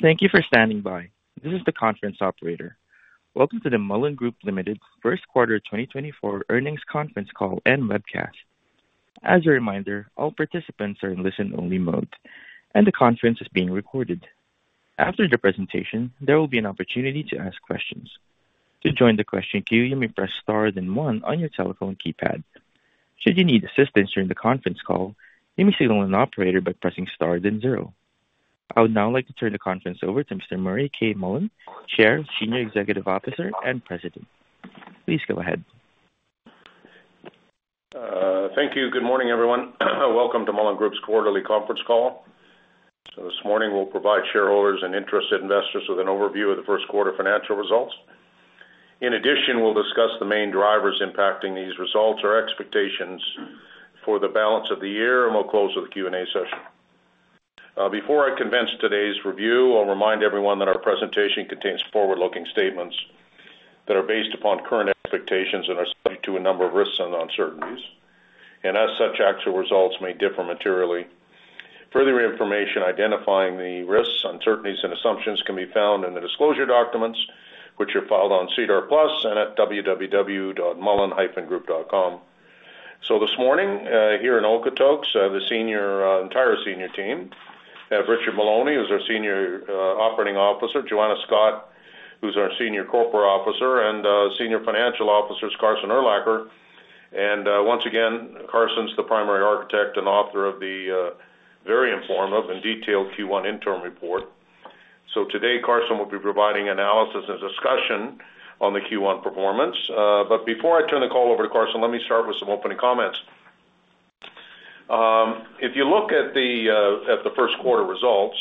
Thank you for standing by. This is the conference operator. Welcome to the Mullen Group Ltd.'s Q1 2024 earnings conference call and webcast. As a reminder, all participants are in listen-only mode, and the conference is being recorded. After the presentation, there will be an opportunity to ask questions. To join the question queue, you may press star then one on your telephone keypad. Should you need assistance during the conference call, you may signal an operator by pressing star then zero. I would now like to turn the conference over to Mr. Murray K. Mullen, Chair, Senior Executive Officer, and President. Please go ahead. Thank you. Good morning, everyone. Welcome to Mullen Group's quarterly conference call. So this morning, we'll provide shareholders and interested investors with an overview of the Q1 financial results. In addition, we'll discuss the main drivers impacting these results or expectations for the balance of the year, and we'll close with a Q&A session. Before I commence today's review, I'll remind everyone that our presentation contains forward-looking statements that are based upon current expectations and are subject to a number of risks and uncertainties, and as such, actual results may differ materially. Further information identifying the risks, uncertainties, and assumptions can be found in the disclosure documents, which are filed on SEDAR+ and at www.mullen-group.com. So this morning, here in Okotoks, the entire senior team, we have Richard Maloney, who's our Senior Operating Officer; Joanna Scott, who's our Senior Corporate Officer; and Senior Financial Officers Carson Urlacher. Once again, Carson's the primary architect and author of the very informative and detailed Q1 internal report. So today, Carson will be providing analysis and discussion on the Q1 performance. But before I turn the call over to Carson, let me start with some opening comments. If you look at the Q1 results,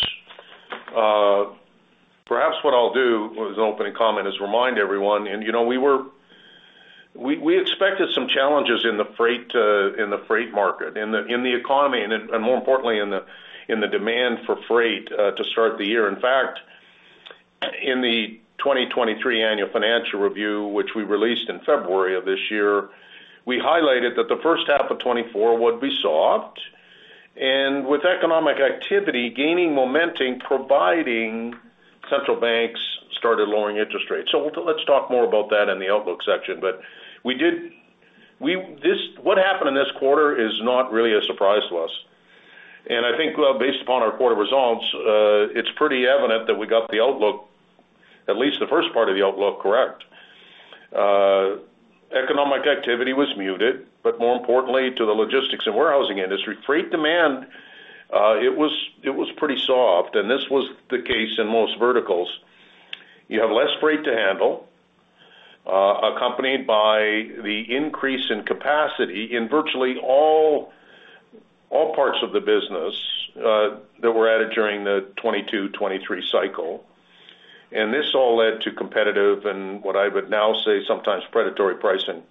perhaps what I'll do as an opening comment is remind everyone, and we expected some challenges in the freight market, in the economy, and more importantly, in the demand for freight to start the year. In fact, in the 2023 annual financial review, which we released in February of this year, we highlighted that the H1 of 2024 would be soft, and with economic activity gaining momentum, central banks started lowering interest rates. So let's talk more about that in the outlook section. But what happened in this quarter is not really a surprise to us. And I think, based upon our quarter results, it's pretty evident that we got the outlook, at least the first part of the outlook, correct. Economic activity was muted, but more importantly, to the logistics and warehousing industry, freight demand, it was pretty soft, and this was the case in most verticals. You have less freight to handle accompanied by the increase in capacity in virtually all parts of the business that were added during the 2022-2023 cycle. And this all led to competitive and what I would now say sometimes predatory pricing.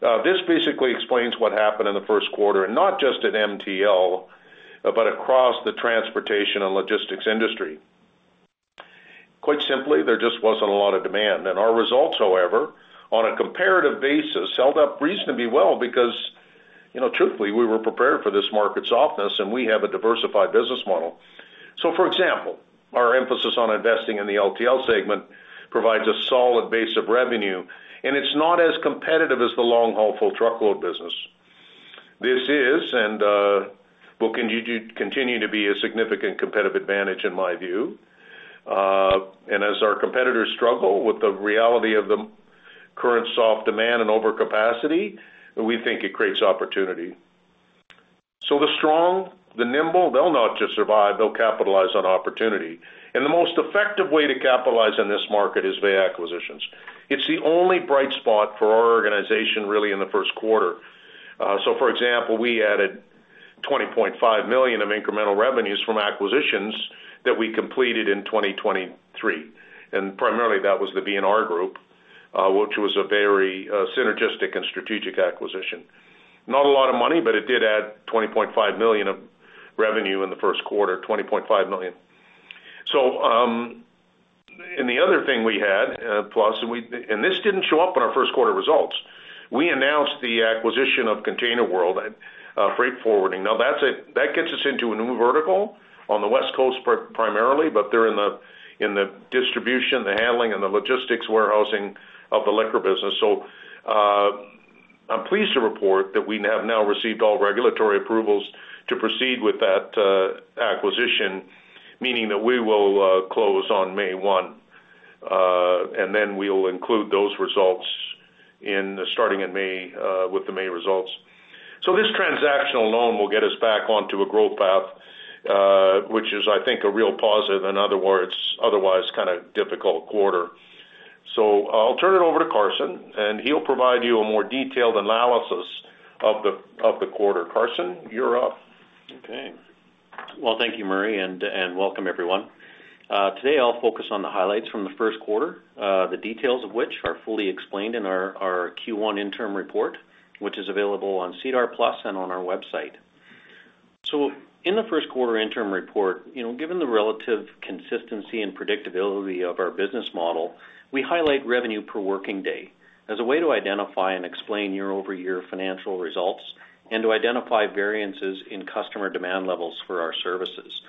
This basically explains what happened in the Q1, and not just at MTL, but across the transportation and logistics industry. Quite simply, there just wasn't a lot of demand. Our results, however, on a comparative basis, held up reasonably well because, truthfully, we were prepared for this market softness, and we have a diversified business model. For example, our emphasis on investing in the LTL segment provides a solid base of revenue, and it's not as competitive as the long-haul full truckload business. This is and will continue to be a significant competitive advantage, in my view. As our competitors struggle with the reality of the current soft demand and overcapacity, we think it creates opportunity. The strong, the nimble, they'll not just survive. They'll capitalize on opportunity. The most effective way to capitalize in this market is via acquisitions. It's the only bright spot for our organization, really, in the Q1. For example, we added 20.5 million of incremental revenues from acquisitions that we completed in 2023. Primarily, that was the B&R Group, which was a very synergistic and strategic acquisition. Not a lot of money, but it did add 20.5 million of revenue in the Q1, 20.5 million. So and the other thing we had, plus, and this didn't show up in our Q1 results, we announced the acquisition of ContainerWorld, Freight Forwarding. Now, that gets us into a new vertical on the West Coast primarily, but they're in the distribution, the handling, and the logistics warehousing of the liquor business. So I'm pleased to report that we have now received all regulatory approvals to proceed with that acquisition, meaning that we will close on May 1, 2024. And then we'll include those results starting in May, with the May results. So this transactional loan will get us back onto a growth path, which is, I think, a real positive, in other words, otherwise kind of difficult quarter. So I'll turn it over to Carson, and he'll provide you a more detailed analysis of the quarter. Carson, you're up. Okay. Well, thank you, Murray, and welcome, everyone. Today, I'll focus on the highlights from the Q1, the details of which are fully explained in our Q1 internal report, which is available on SEDAR+ and on our website. So in the Q1 internal report, given the relative consistency and predictability of our business model, we highlight revenue per working day as a way to identify and explain year-over-year financial results and to identify variances in customer demand levels for our services.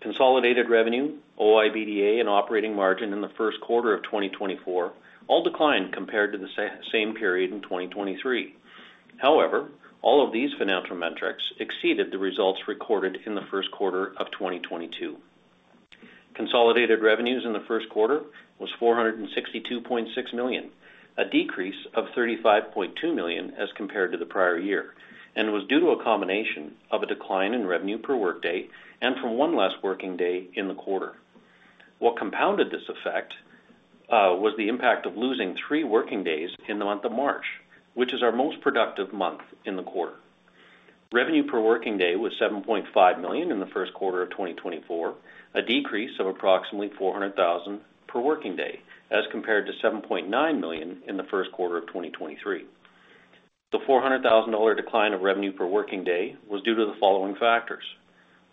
Consolidated revenue, OIBDA, and operating margin in the Q1 of 2024 all declined compared to the same period in 2023. However, all of these financial metrics exceeded the results recorded in the Q1 of 2022. Consolidated revenues in the Q1 was 462.6 million, a decrease of 35.2 million as compared to the prior year, and was due to a combination of a decline in revenue per workday and from one less working day in the quarter. What compounded this effect was the impact of losing three working days in the month of March, which is our most productive month in the quarter. Revenue per working day was 7.5 million in the Q1 of 2024, a decrease of approximately 400,000 per working day as compared to 7.9 million in the Q1 of 2023. The 400,000 dollar decline of revenue per working day was due to the following factors.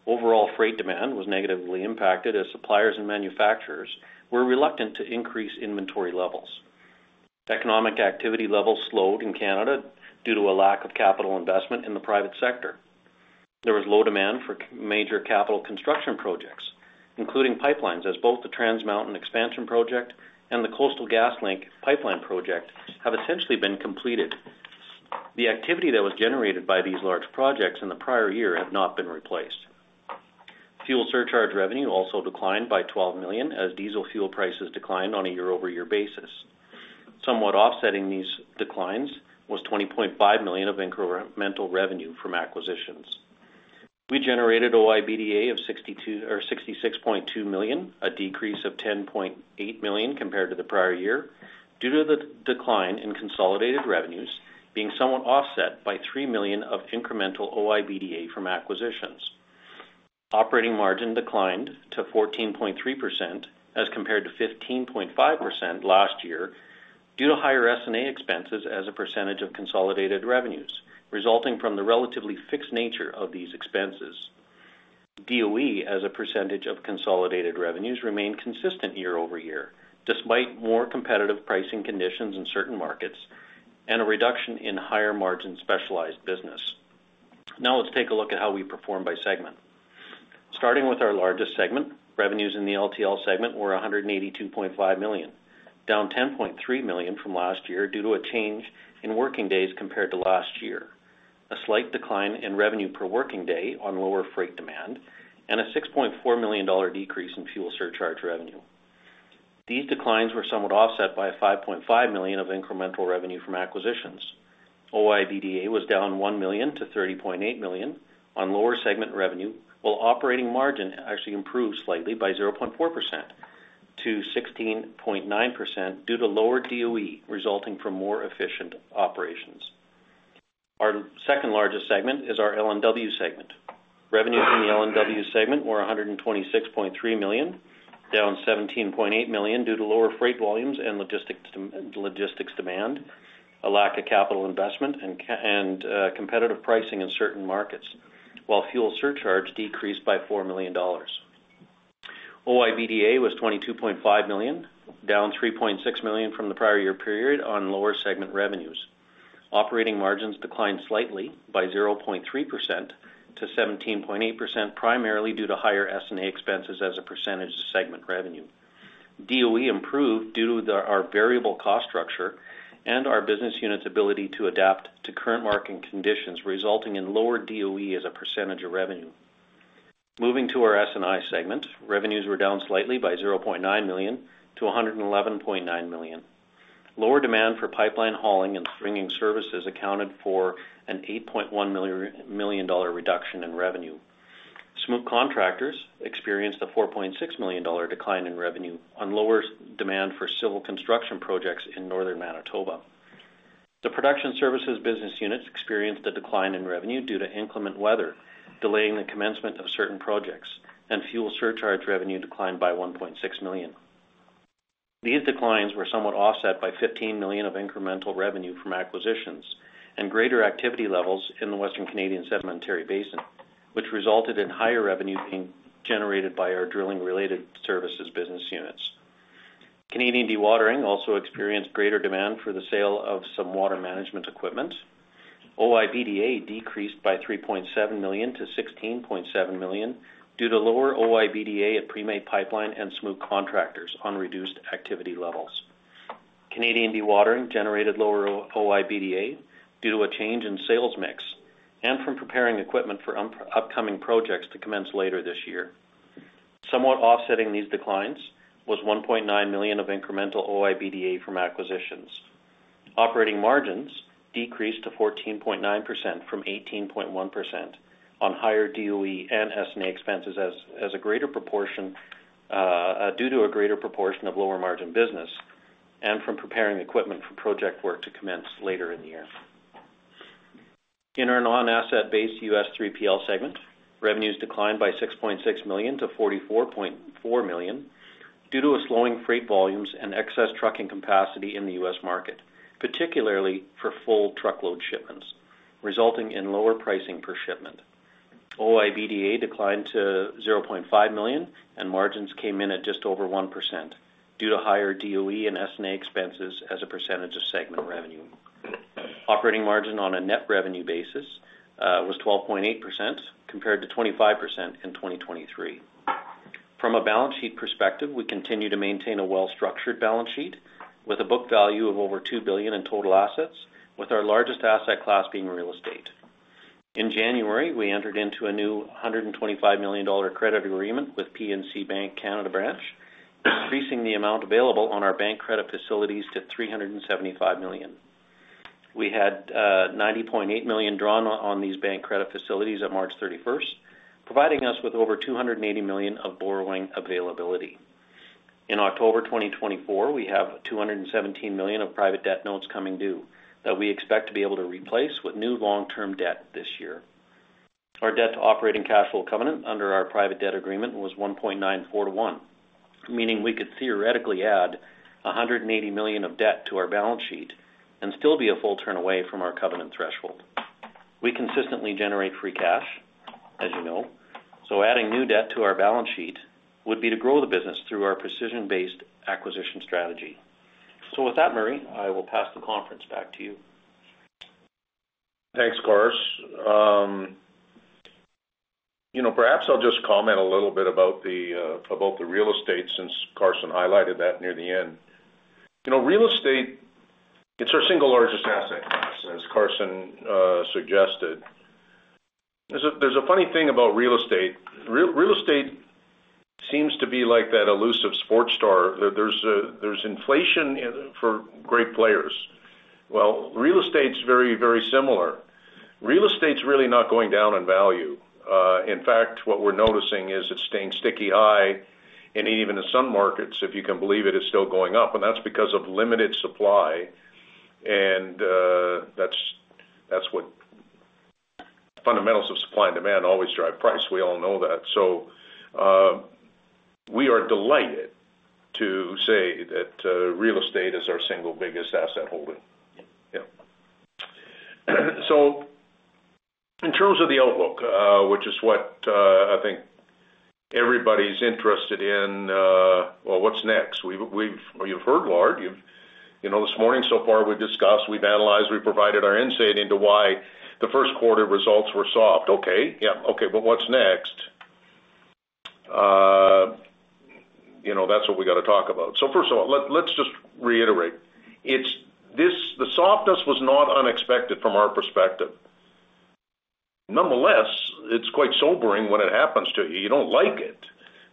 Overall freight demand was negatively impacted as suppliers and manufacturers were reluctant to increase inventory levels. Economic activity levels slowed in Canada due to a lack of capital investment in the private sector. There was low demand for major capital construction projects, including pipelines, as both the Trans Mountain Expansion Project and the Coastal GasLink Pipeline Project have essentially been completed. The activity that was generated by these large projects in the prior year had not been replaced. Fuel surcharge revenue also declined by 12 million as diesel fuel prices declined on a year-over-year basis. Somewhat offsetting these declines was 20.5 million of incremental revenue from acquisitions. We generated OIBDA of 66.2 million, a decrease of 10.8 million compared to the prior year due to the decline in consolidated revenues being somewhat offset by 3 million of incremental OIBDA from acquisitions. Operating margin declined to 14.3% as compared to 15.5% last year due to higher S&A expenses as a percentage of consolidated revenues, resulting from the relatively fixed nature of these expenses. DOE, as a percentage of consolidated revenues, remained consistent year-over-year despite more competitive pricing conditions in certain markets and a reduction in higher margin specialized business. Now, let's take a look at how we perform by segment. Starting with our largest segment, revenues in the LTL segment were 182.5 million, down 10.3 million from last year due to a change in working days compared to last year, a slight decline in revenue per working day on lower freight demand, and a 6.4 million dollar decrease in fuel surcharge revenue. These declines were somewhat offset by 5.5 million of incremental revenue from acquisitions. OIBDA was down 1 million to 30.8 million on lower segment revenue, while operating margin actually improved slightly by 0.4% to 16.9% due to lower DOE resulting from more efficient operations. Our second largest segment is our L&W segment. Revenues in the L&W segment were CAD 126.3 million, down CAD 17.8 million due to lower freight volumes and logistics demand, a lack of capital investment, and competitive pricing in certain markets, while fuel surcharge decreased by 4 million dollars. OIBDA was 22.5 million, down 3.6 million from the prior year period on lower segment revenues. Operating margins declined slightly by 0.3% to 17.8% primarily due to higher S&A expenses as a percentage of segment revenue. DOE improved due to our variable cost structure and our business unit's ability to adapt to current market conditions, resulting in lower DOE as a percentage of revenue. Moving to our S&I segment, revenues were down slightly by 0.9 million to 111.9 million. Lower demand for pipeline hauling and stringing services accounted for a 8.1 million reduction in revenue. Smook Contractors experienced a 4.6 million dollar decline in revenue on lower demand for civil construction projects in Northern Manitoba. The production services business units experienced a decline in revenue due to inclement weather, delaying the commencement of certain projects, and fuel surcharge revenue declined by 1.6 million. These declines were somewhat offset by 15 million of incremental revenue from acquisitions and greater activity levels in the Western Canadian Sedimentary Basin, which resulted in higher revenue being generated by our drilling-related services business units. Canadian Dewatering also experienced greater demand for the sale of some water management equipment. OIBDA decreased by 3.7 million to 16.7 million due to lower OIBDA at Premay Pipeline and Smook Contractors on reduced activity levels. Canadian Dewatering generated lower OIBDA due to a change in sales mix and from preparing equipment for upcoming projects to commence later this year. Somewhat offsetting these declines was 1.9 million of incremental OIBDA from acquisitions. Operating margins decreased to 14.9% from 18.1% on higher DOE and S&A expenses due to a greater proportion of lower margin business and from preparing equipment for project work to commence later in the year. In our non-asset-based U.S. 3PL segment, revenues declined by 6.6 million to 44.4 million due to a slowing freight volumes and excess trucking capacity in the U.S. market, particularly for full truckload shipments, resulting in lower pricing per shipment. OIBDA declined to 0.5 million, and margins came in at just over 1% due to higher DOE and S&A expenses as a percentage of segment revenue. Operating margin on a net revenue basis was 12.8% compared to 25% in 2023. From a balance sheet perspective, we continue to maintain a well-structured balance sheet with a book value of over two billion in total assets, with our largest asset class being real estate. In January, we entered into a new 125 million dollar credit agreement with PNC Bank Canada Branch, increasing the amount available on our bank credit facilities to 375 million. We had 90.8 million drawn on these bank credit facilities on March 31st, providing us with over 280 million of borrowing availability. In October 2024, we have 217 million of private debt notes coming due that we expect to be able to replace with new long-term debt this year. Our debt to operating cash flow covenant under our private debt agreement was 1.94 to 1, meaning we could theoretically add 180 million of debt to our balance sheet and still be a full turn away from our covenant threshold. We consistently generate free cash, as you know, so adding new debt to our balance sheet would be to grow the business through our precision-based acquisition strategy. With that, Murray, I will pass the conference back to you. Thanks, Cars. Perhaps I'll just comment a little bit about both the real estate, since Carson highlighted that near the end. Real estate, it's our single largest asset class, as Carson suggested. There's a funny thing about real estate. Real estate seems to be like that elusive sports star. There's inflation for great players. Well, real estate's very, very similar. Real estate's really not going down in value. In fact, what we're noticing is it's staying sticky high, and even in some markets, if you can believe it, it's still going up. And that's because of limited supply. And that's what fundamentals of supply and demand always drive price. We all know that. So we are delighted to say that real estate is our single biggest asset holding. Yeah. So in terms of the outlook, which is what I think everybody's interested in, well, what's next? You've heard, a lot. This morning, so far, we've discussed, we've analyzed, we've provided our insight into why the Q1 results were soft. Okay. Yeah. Okay. But what's next? That's what we got to talk about. So first of all, let's just reiterate. The softness was not unexpected from our perspective. Nonetheless, it's quite sobering when it happens to you. You don't like it,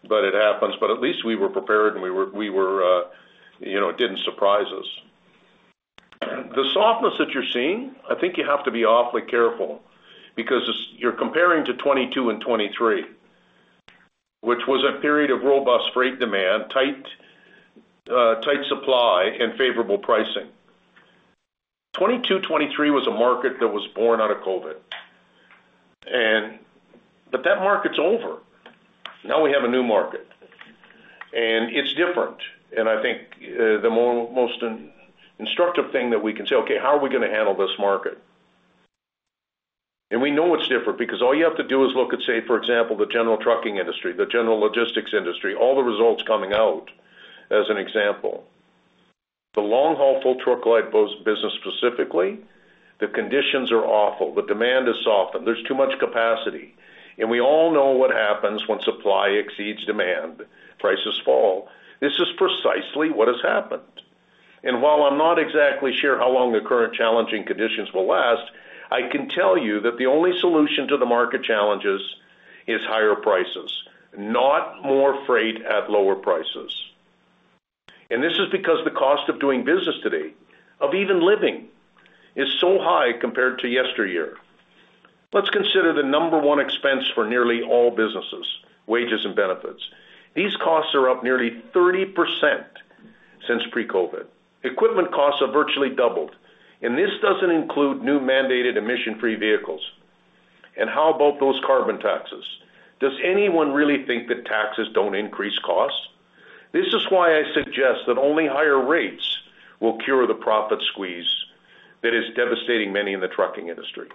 but it happens. But at least we were prepared, and it didn't surprise us. The softness that you're seeing, I think you have to be awfully careful because you're comparing to 2022 and 2023, which was a period of robust freight demand, tight supply, and favorable pricing. 2022, 2023 was a market that was born out of COVID. But that market's over. Now we have a new market, and it's different. And I think the most instructive thing that we can say, "Okay. How are we going to handle this market?" We know it's different because all you have to do is look at, say, for example, the general trucking industry, the general logistics industry, all the results coming out as an example. The long-haul full truckload business specifically, the conditions are awful. The demand is softened. There's too much capacity. We all know what happens when supply exceeds demand. Prices fall. This is precisely what has happened. And while I'm not exactly sure how long the current challenging conditions will last, I can tell you that the only solution to the market challenges is higher prices, not more freight at lower prices. And this is because the cost of doing business today, of even living, is so high compared to yesteryear. Let's consider the number one expense for nearly all businesses, wages and benefits. These costs are up nearly 30% since pre-COVID. Equipment costs have virtually doubled. This doesn't include new mandated emission-free vehicles. How about those carbon taxes? Does anyone really think that taxes don't increase costs? This is why I suggest that only higher rates will cure the profit squeeze that is devastating many in the trucking industry.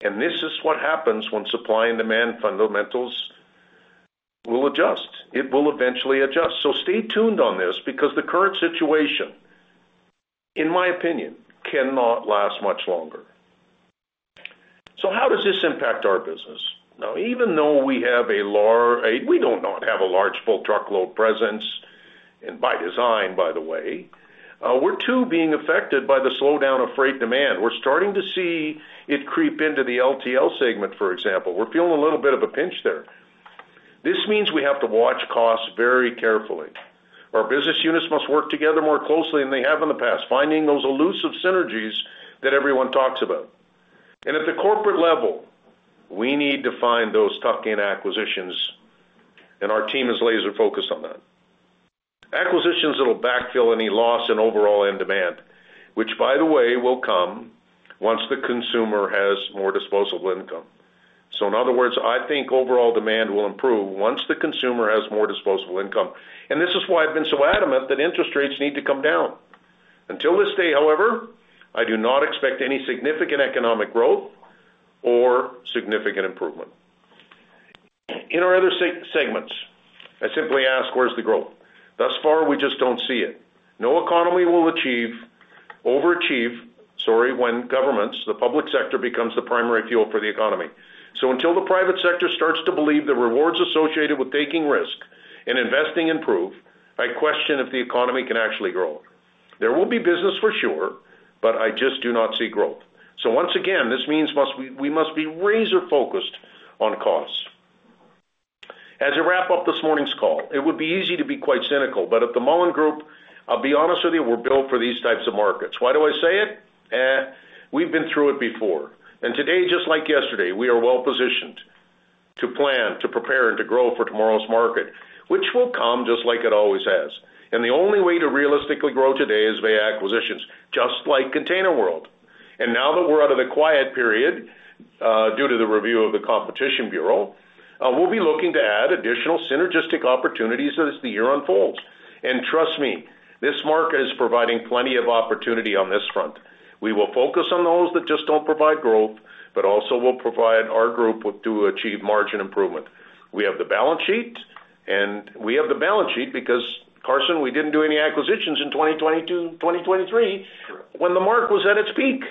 This is what happens when supply and demand fundamentals will adjust. It will eventually adjust. Stay tuned on this because the current situation, in my opinion, cannot last much longer. How does this impact our business? Now, even though we do not have a large full truckload presence by design, by the way, we're too being affected by the slowdown of freight demand. We're starting to see it creep into the LTL segment, for example. We're feeling a little bit of a pinch there. This means we have to watch costs very carefully. Our business units must work together more closely than they have in the past, finding those elusive synergies that everyone talks about. And at the corporate level, we need to find those tuck-in acquisitions, and our team is laser-focused on that. Acquisitions that'll backfill any loss in overall end demand, which, by the way, will come once the consumer has more disposable income. So in other words, I think overall demand will improve once the consumer has more disposable income. And this is why I've been so adamant that interest rates need to come down. To this day, however, I do not expect any significant economic growth or significant improvement. In our other segments, I simply ask, "Where's the growth?" Thus far, we just don't see it. No economy will overachieve when governments, the public sector, becomes the primary fuel for the economy. So until the private sector starts to believe the rewards associated with taking risk and investing improve, I question if the economy can actually grow. There will be business for sure, but I just do not see growth. So once again, this means we must be laser-focused on costs. As I wrap up this morning's call, it would be easy to be quite cynical, but at the Mullen Group, I'll be honest with you, we're built for these types of markets. Why do I say it? We've been through it before. And today, just like yesterday, we are well-positioned to plan, to prepare, and to grow for tomorrow's market, which will come just like it always has. And the only way to realistically grow today is via acquisitions, just like ContainerWorld. Now that we're out of the quiet period due to the review of the Competition Bureau, we'll be looking to add additional synergistic opportunities as the year unfolds. And trust me, this market is providing plenty of opportunity on this front. We will focus on those that just don't provide growth, but also will provide our group to achieve margin improvement. We have the balance sheet, and we have the balance sheet because, Carson, we didn't do any acquisitions in 2022, 2023 when the market was at its peak.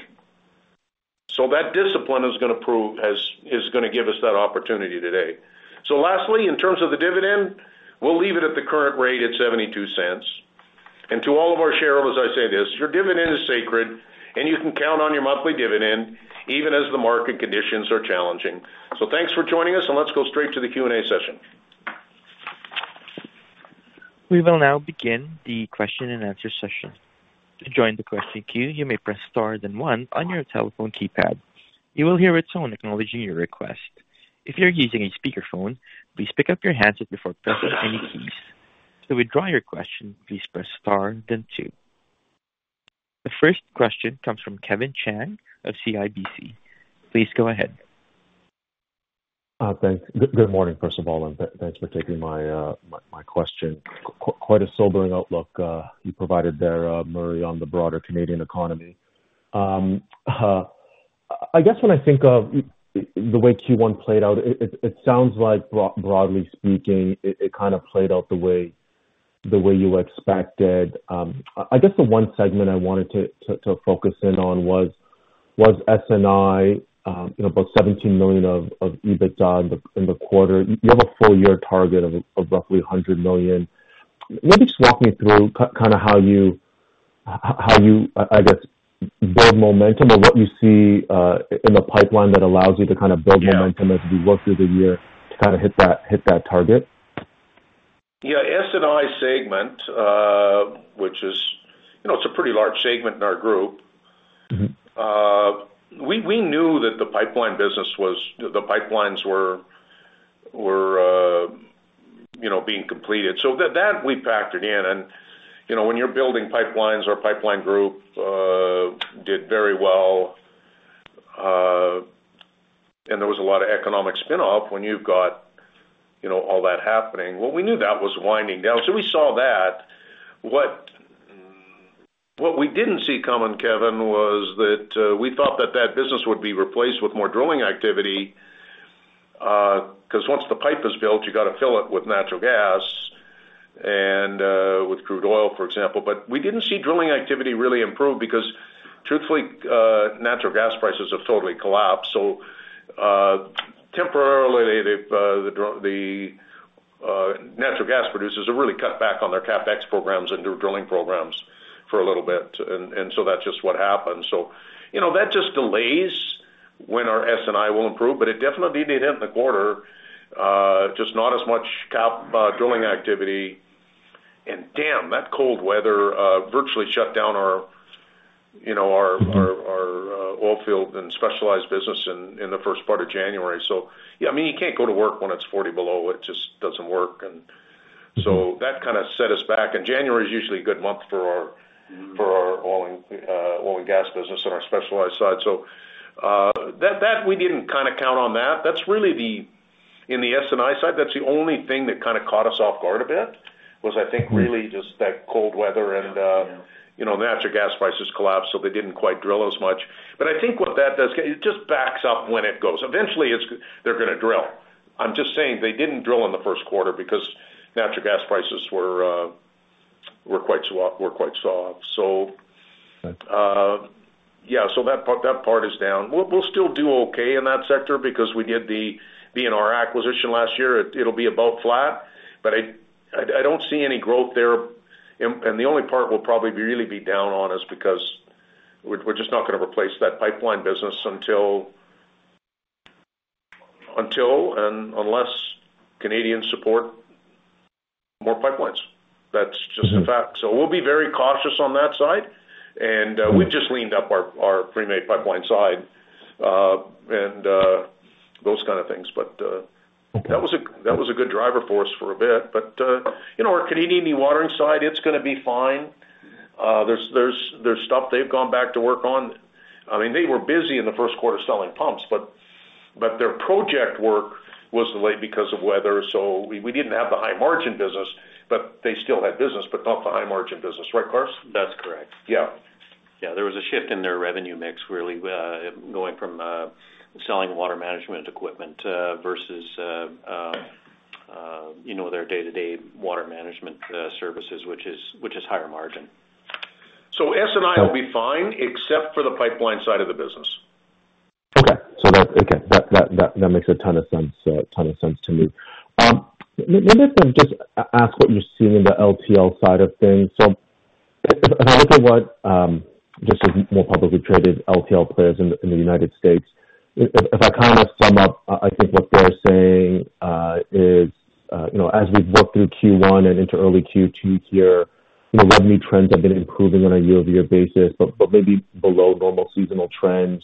So that discipline is going to give us that opportunity today. So lastly, in terms of the dividend, we'll leave it at the current rate at 0.72. And to all of our shareholders, I say this: your dividend is sacred, and you can count on your monthly dividend even as the market conditions are challenging. Thanks for joining us, and let's go straight to the Q&A session. We will now begin the question-and-answer session. To join the question queue, you may press star then 1 on your telephone keypad. You will hear a tone acknowledging your request. If you're using a speakerphone, please pick up your handset before pressing any keys. To withdraw your question, please press star then two. The first question comes from Kevin Chiang of CIBC. Please go ahead. Thanks. Good morning, first of all, and thanks for taking my question. Quite a sobering outlook you provided there, Murray, on the broader Canadian economy. I guess when I think of the way Q1 played out, it sounds like, broadly speaking, it kind of played out the way you expected. I guess the one segment I wanted to focus in on was S&I, about 17 million of EBITDA in the quarter. You have a full-year target of roughly 100 million. Maybe just walk me through kind of how you, I guess, build momentum or what you see in the pipeline that allows you to kind of build momentum as we work through the year to kind of hit that target. Yeah. S&I segment, which is it's a pretty large segment in our group. We knew that the pipeline business was the pipelines were being completed. So that, we packed it in. And when you're building pipelines, our pipeline group did very well, and there was a lot of economic spin-off when you've got all that happening. Well, we knew that was winding down. So we saw that. What we didn't see coming, Kevin, was that we thought that that business would be replaced with more drilling activity because once the pipe is built, you got to fill it with natural gas and with crude oil, for example. But we didn't see drilling activity really improve because, truthfully, natural gas prices have totally collapsed. So temporarily, the natural gas producers have really cut back on their CAPEX programs and their drilling programs for a little bit. And so that's just what happened. So that just delays when our S&I will improve. But it definitely did hit in the quarter, just not as much CapEx drilling activity. And damn, that cold weather virtually shut down our oilfield and specialized business in the first part of January. So yeah, I mean, you can't go to work when it's 40 below. It just doesn't work. And so that kind of set us back. And January is usually a good month for our oil and gas business and our specialized side. So that, we didn't kind of count on that. In the S&I side, that's the only thing that kind of caught us off guard a bit was, I think, really just that cold weather and natural gas prices collapsed, so they didn't quite drill as much. But I think what that does it just backs up when it goes. Eventually, they're going to drill. I'm just saying they didn't drill in the Q1 because natural gas prices were quite soft. So yeah, so that part is down. We'll still do okay in that sector because we did the B&R acquisition last year. It'll be about flat. But I don't see any growth there. And the only part we'll probably really be down on is because we're just not going to replace that pipeline business until and unless Canadians support more pipelines. That's just a fact. So we'll be very cautious on that side. And we've just leaned up our Premay pipeline side and those kind of things. But that was a good driver for us for a bit. But our Canadian watering side, it's going to be fine. There's stuff they've gone back to work on. I mean, they were busy in the Q1 selling pumps, but their project work was delayed because of weather. So we didn't have the high-margin business, but they still had business, but not the high-margin business. Right, Carson? That's correct. Yeah. Yeah. There was a shift in their revenue mix, really, going from selling water management equipment versus their day-to-day water management services, which is higher margin. S&I will be fine except for the pipeline side of the business. Okay. Okay. That makes a ton of sense to me. Let me just ask what you're seeing in the LTL side of things. So if I look at what the more publicly traded LTL players in the United States, if I kind of sum up, I think what they're saying is, as we've worked through Q1 and into early Q2 here, revenue trends have been improving on a year-over-year basis, but maybe below normal seasonal trends.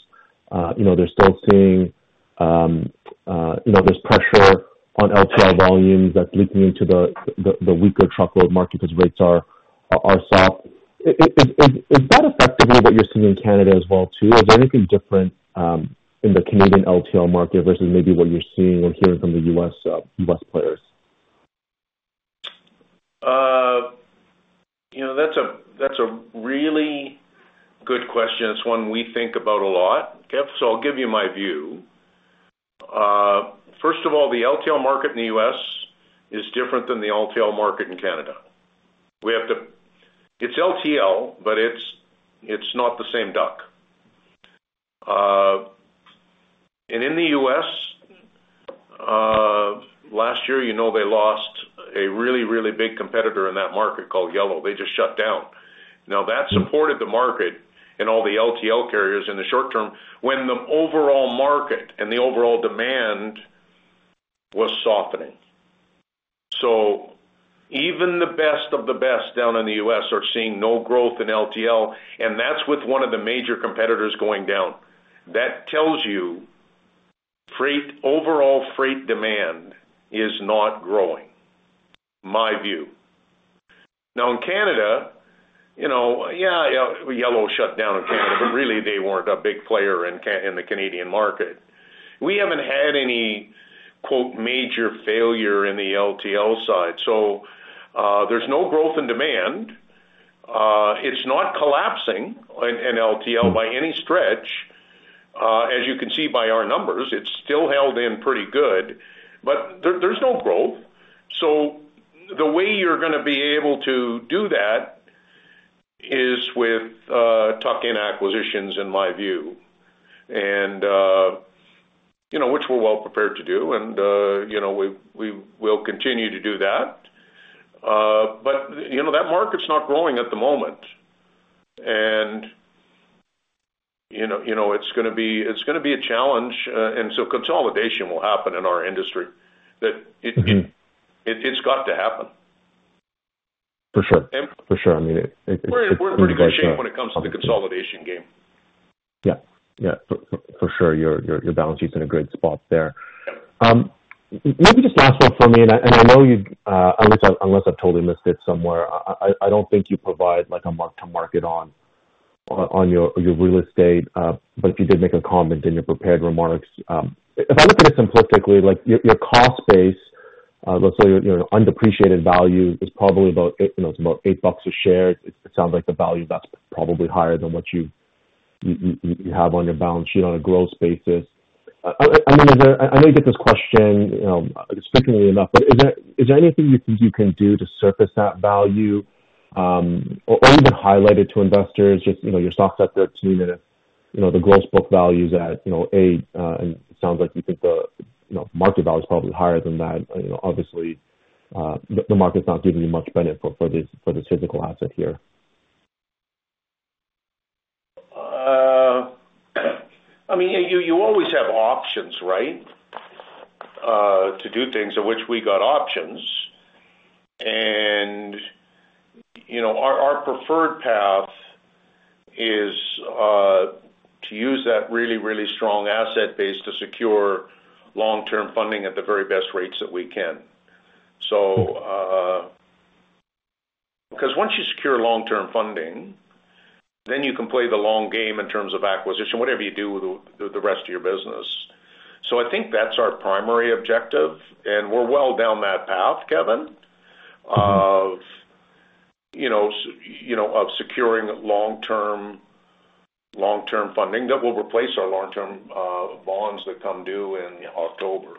They're still seeing there's pressure on LTL volumes that's leaking into the weaker truckload market because rates are soft. Is that effectively what you're seeing in Canada as well, too? Is there anything different in the Canadian LTL market versus maybe what you're seeing or hearing from the U.S. players? That's a really good question. It's one we think about a lot, Kevin. So I'll give you my view. First of all, the LTL market in the U.S. is different than the LTL market in Canada. It's LTL, but it's not the same duck. And in the U.S., last year, they lost a really, really big competitor in that market called Yellow. They just shut down. Now, that supported the market and all the LTL carriers in the short term when the overall market and the overall demand was softening. So even the best of the best down in the U.S. are seeing no growth in LTL. And that's with one of the major competitors going down. That tells you overall freight demand is not growing, my view. Now, in Canada, yeah, Yellow shut down in Canada, but really, they weren't a big player in the Canadian market. We haven't had any "major failure" in the LTL side. So there's no growth in demand. It's not collapsing in LTL by any stretch. As you can see by our numbers, it's still held in pretty good. But there's no growth. So the way you're going to be able to do that is with tuck-in acquisitions, in my view, which we're well prepared to do. And we'll continue to do that. But that market's not growing at the moment. And it's going to be a challenge. And so consolidation will happen in our industry. It's got to happen. For sure. For sure. I mean, it's a big issue. We're pretty shaken when it comes to the consolidation game. Yeah. Yeah. For sure. Your balance sheet's in a great spot there. Maybe just last one for me. I know you'd unless I've totally missed it somewhere, I don't think you provide a mark-to-market on your real estate. But if you did make a comment in your prepared remarks, if I look at it simplistically, your cost base, let's say your underappreciated value, is probably about eight bucks a share. It sounds like the value that's probably higher than what you have on your balance sheet on a growth basis. I mean, I know you get this question, I guess, frequently enough, but is there anything you think you can do to surface that value or even highlight it to investors? Just your stock's at 13, and the gross book value's at 8. It sounds like you think the market value's probably higher than that. Obviously, the market's not giving you much benefit for this physical asset here. I mean, you always have options, right, to do things, of which we got options. And our preferred path is to use that really, really strong asset base to secure long-term funding at the very best rates that we can. Because once you secure long-term funding, then you can play the long game in terms of acquisition, whatever you do with the rest of your business. So I think that's our primary objective. And we're well down that path, Kevin, of securing long-term funding that will replace our long-term bonds that come due in October.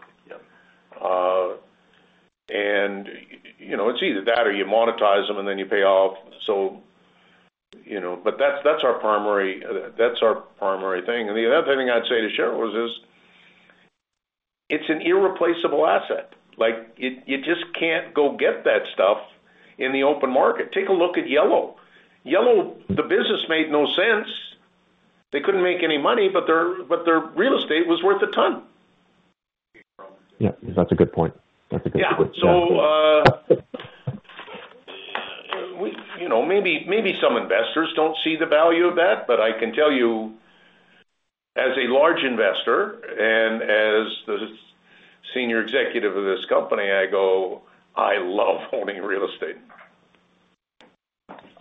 And it's either that or you monetize them, and then you pay off. But that's our primary thing. And the other thing I'd say to shareholders is it's an irreplaceable asset. You just can't go get that stuff in the open market. Take a look at Yellow. Yellow, the business made no sense. They couldn't make any money, but their real estate was worth a ton. Yeah. That's a good point. That's a good point. Yeah. Yeah. Maybe some investors don't see the value of that. I can tell you, as a large investor and as the senior executive of this company, I go, "I love owning real estate.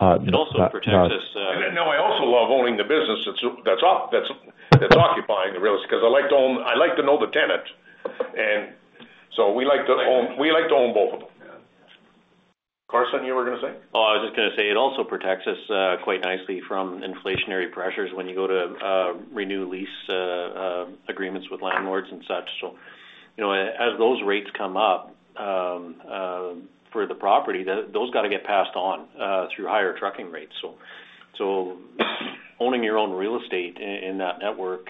It also protects us. No, I also love owning the business that's occupying the real estate because I like to own. I like to know the tenant. And so we like to own. We like to own both of them. Carson, you were going to say? Oh, I was just going to say it also protects us quite nicely from inflationary pressures when you go to renew lease agreements with landlords and such. So as those rates come up for the property, those got to get passed on through higher trucking rates. So owning your own real estate in that network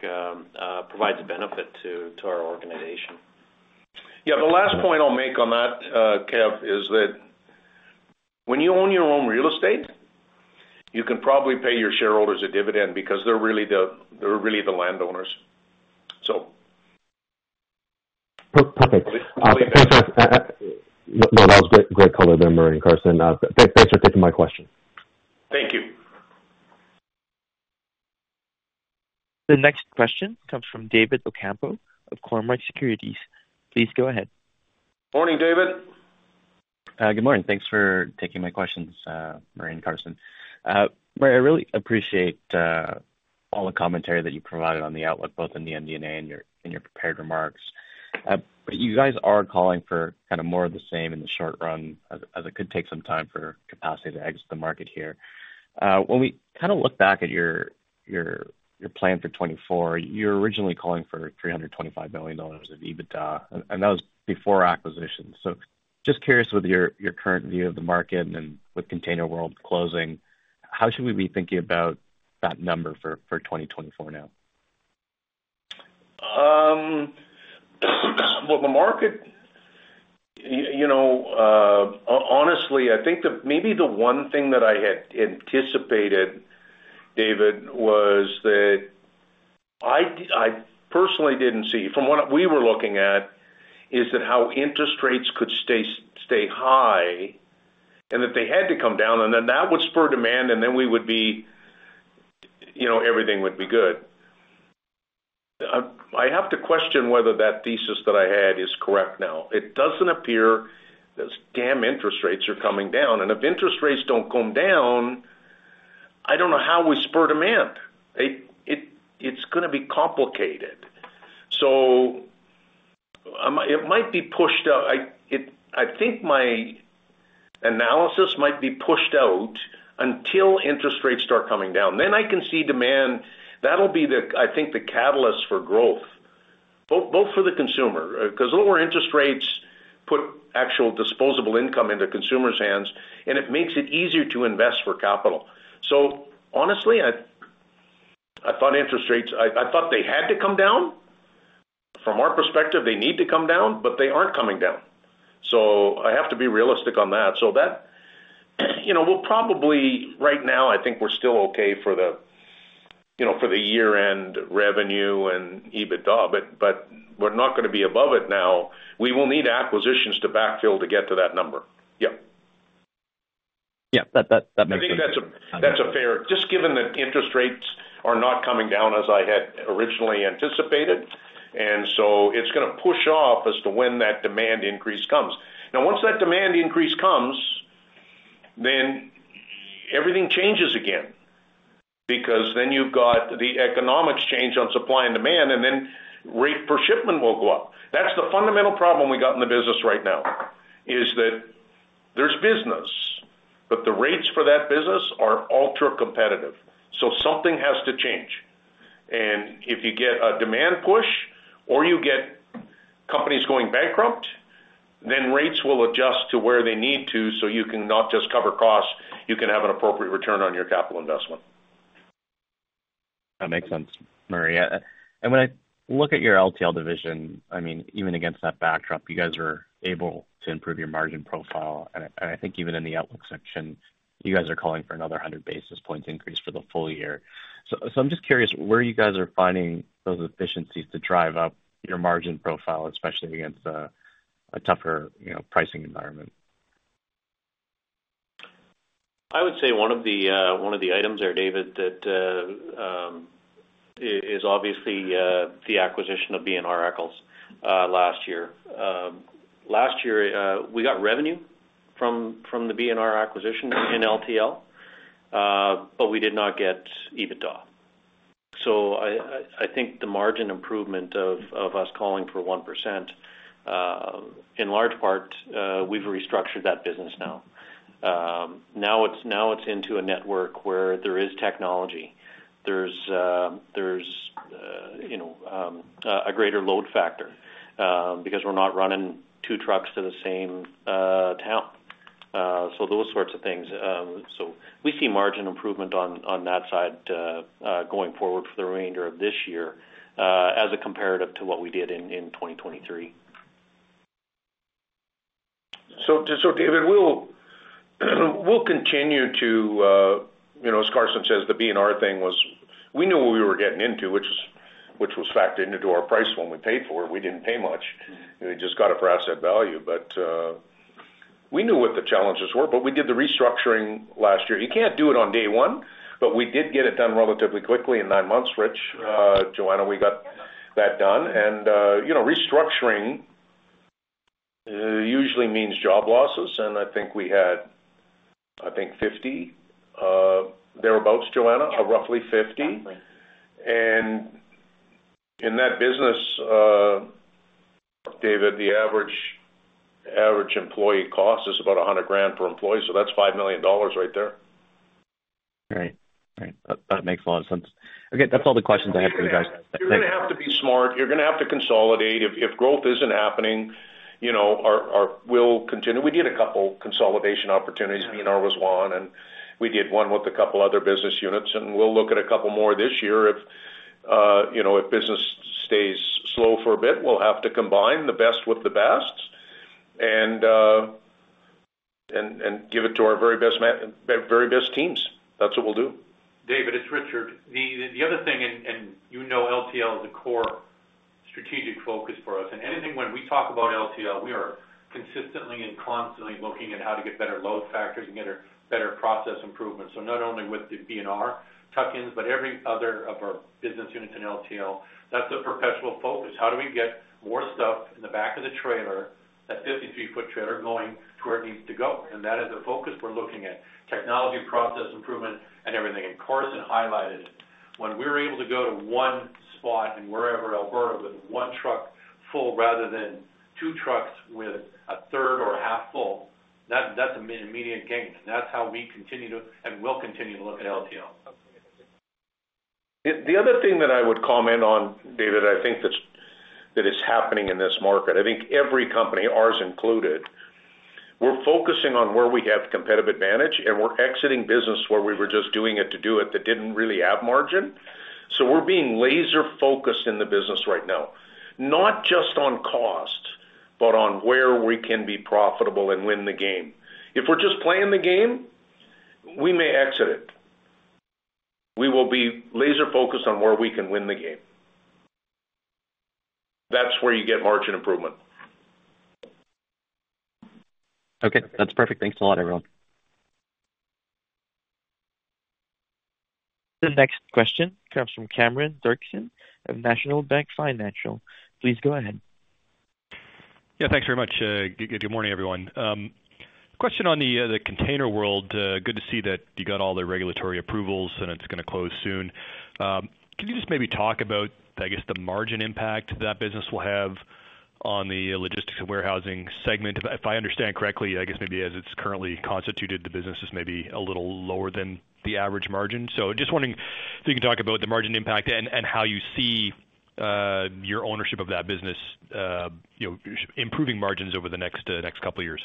provides a benefit to our organization. Yeah. The last point I'll make on that, Kev, is that when you own your own real estate, you can probably pay your shareholders a dividend because they're really the landowners, so. Perfect. Thanks, Carson. No, that was great color there, Murray and Carson. Thanks for taking my question. Thank you. The next question comes from David Ocampo of Cormark Securities. Please go ahead. Morning, David. Good morning. Thanks for taking my questions, Murray and Carson. Murray, I really appreciate all the commentary that you provided on the outlook, both in the MD&A and in your prepared remarks. But you guys are calling for kind of more of the same in the short run as it could take some time for capacity to exit the market here. When we kind of look back at your plan for 2024, you're originally calling for 325 million dollars of EBITDA. And that was before acquisition. So just curious with your current view of the market and with ContainerWorld closing, how should we be thinking about that number for 2024 now? Well, the market honestly, I think maybe the one thing that I had anticipated, David, was that I personally didn't see from what we were looking at is that how interest rates could stay high and that they had to come down. And then that would spur demand, and then we would be everything would be good. I have to question whether that thesis that I had is correct now. It doesn't appear those damn interest rates are coming down. And if interest rates don't come down, I don't know how we spur demand. It's going to be complicated. So it might be pushed out. I think my analysis might be pushed out until interest rates start coming down. Then I can see demand. That'll be, I think, the catalyst for growth, both for the consumer because lower interest rates put actual disposable income into consumers' hands, and it makes it easier to invest for capital. So honestly, I thought interest rates had to come down. From our perspective, they need to come down, but they aren't coming down. So I have to be realistic on that. So we'll probably right now, I think we're still okay for the year-end revenue and EBITDA. But we're not going to be above it now. We will need acquisitions to backfill to get to that number. Yeah. Yeah. That makes sense. I think that's a fair just given that interest rates are not coming down as I had originally anticipated. So it's going to push off as to when that demand increase comes. Now, once that demand increase comes, then everything changes again because then you've got the economics change on supply and demand, and then rate per shipment will go up. That's the fundamental problem we got in the business right now is that there's business, but the rates for that business are ultra-competitive. So something has to change. If you get a demand push or you get companies going bankrupt, then rates will adjust to where they need to so you can not just cover costs. You can have an appropriate return on your capital investment. That makes sense, Murray. When I look at your LTL division, I mean, even against that backdrop, you guys were able to improve your margin profile. I think even in the outlook section, you guys are calling for another 100 basis points increase for the full year. I'm just curious where you guys are finding those efficiencies to drive up your margin profile, especially against a tougher pricing environment. I would say one of the items there, David, is obviously the acquisition of B&R Eckel's last year. Last year, we got revenue from the B&R acquisition in LTL, but we did not get EBITDA. So I think the margin improvement of us calling for 1%, in large part, we've restructured that business now. Now it's into a network where there is technology. There's a greater load factor because we're not running two trucks to the same town, so those sorts of things. So we see margin improvement on that side going forward for the remainder of this year as a comparative to what we did in 2023. So, David, we'll continue to as Carson says, the B&R thing was we knew what we were getting into, which was factored into our price when we paid for it. We didn't pay much. We just got it for asset value. But we knew what the challenges were. But we did the restructuring last year. You can't do it on day one, but we did get it done relatively quickly in nine months, Rich. Joanna, we got that done. And restructuring usually means job losses. And I think we had, I think, 50 thereabouts, Joanna, roughly 50. And in that business, David, the average employee cost is about 100,000 per employee. So that's 5 million dollars right there. Right. Right. That makes a lot of sense. Okay. That's all the questions I had for you guys. Thanks. You're going to have to be smart. You're going to have to consolidate. If growth isn't happening, we'll continue. We did a couple consolidation opportunities. B&R was one. And we did one with a couple other business units. And we'll look at a couple more this year. If business stays slow for a bit, we'll have to combine the best with the best and give it to our very best teams. That's what we'll do. David, it's Richard. The other thing, and you know LTL is a core strategic focus for us. And anything when we talk about LTL, we are consistently and constantly looking at how to get better load factors and get better process improvements. So not only with the B&R tuck-ins, but every other of our business units in LTL, that's a perpetual focus. How do we get more stuff in the back of the trailer, that 53-foot trailer, going to where it needs to go? And that is a focus we're looking at, technology, process improvement, and everything. And Carson highlighted it. When we're able to go to 1 spot in wherever Alberta with 1 truck full rather than 2 trucks with a third or a half full, that's an immediate gain. And that's how we continue to and will continue to look at LTL. The other thing that I would comment on, David, I think that is happening in this market. I think every company, ours included, we're focusing on where we have competitive advantage. And we're exiting business where we were just doing it to do it that didn't really have margin. So we're being laser-focused in the business right now, not just on cost, but on where we can be profitable and win the game. If we're just playing the game, we may exit it. We will be laser-focused on where we can win the game. That's where you get margin improvement. Okay. That's perfect. Thanks a lot, everyone. The next question comes from Cameron Doerksen of National Bank Financial. Please go ahead. Yeah. Thanks very much. Good morning, everyone. Question on the ContainerWorld. Good to see that you got all the regulatory approvals, and it's going to close soon. Can you just maybe talk about, I guess, the margin impact that business will have on the logistics and warehousing segment? If I understand correctly, I guess maybe as it's currently constituted, the business is maybe a little lower than the average margin. So just wondering if you can talk about the margin impact and how you see your ownership of that business improving margins over the next couple of years.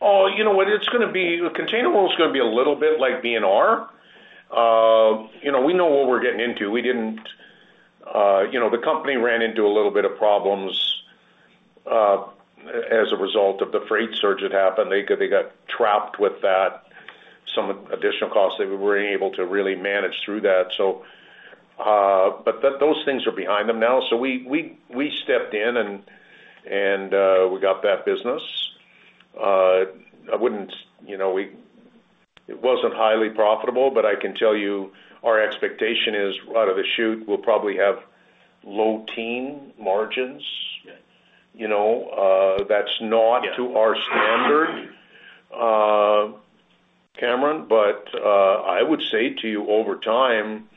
Oh, you know what? ContainerWorld's going to be a little bit like B&R. We know what we're getting into. The company ran into a little bit of problems as a result of the freight surge that happened. They got trapped with that, some additional costs that we weren't able to really manage through that. But those things are behind them now. So we stepped in, and we got that business. It wasn't highly profitable, but I can tell you our expectation is out of the chute. We'll probably have low-teens margins. That's not to our standard, Cameron. But I would say to you, over time,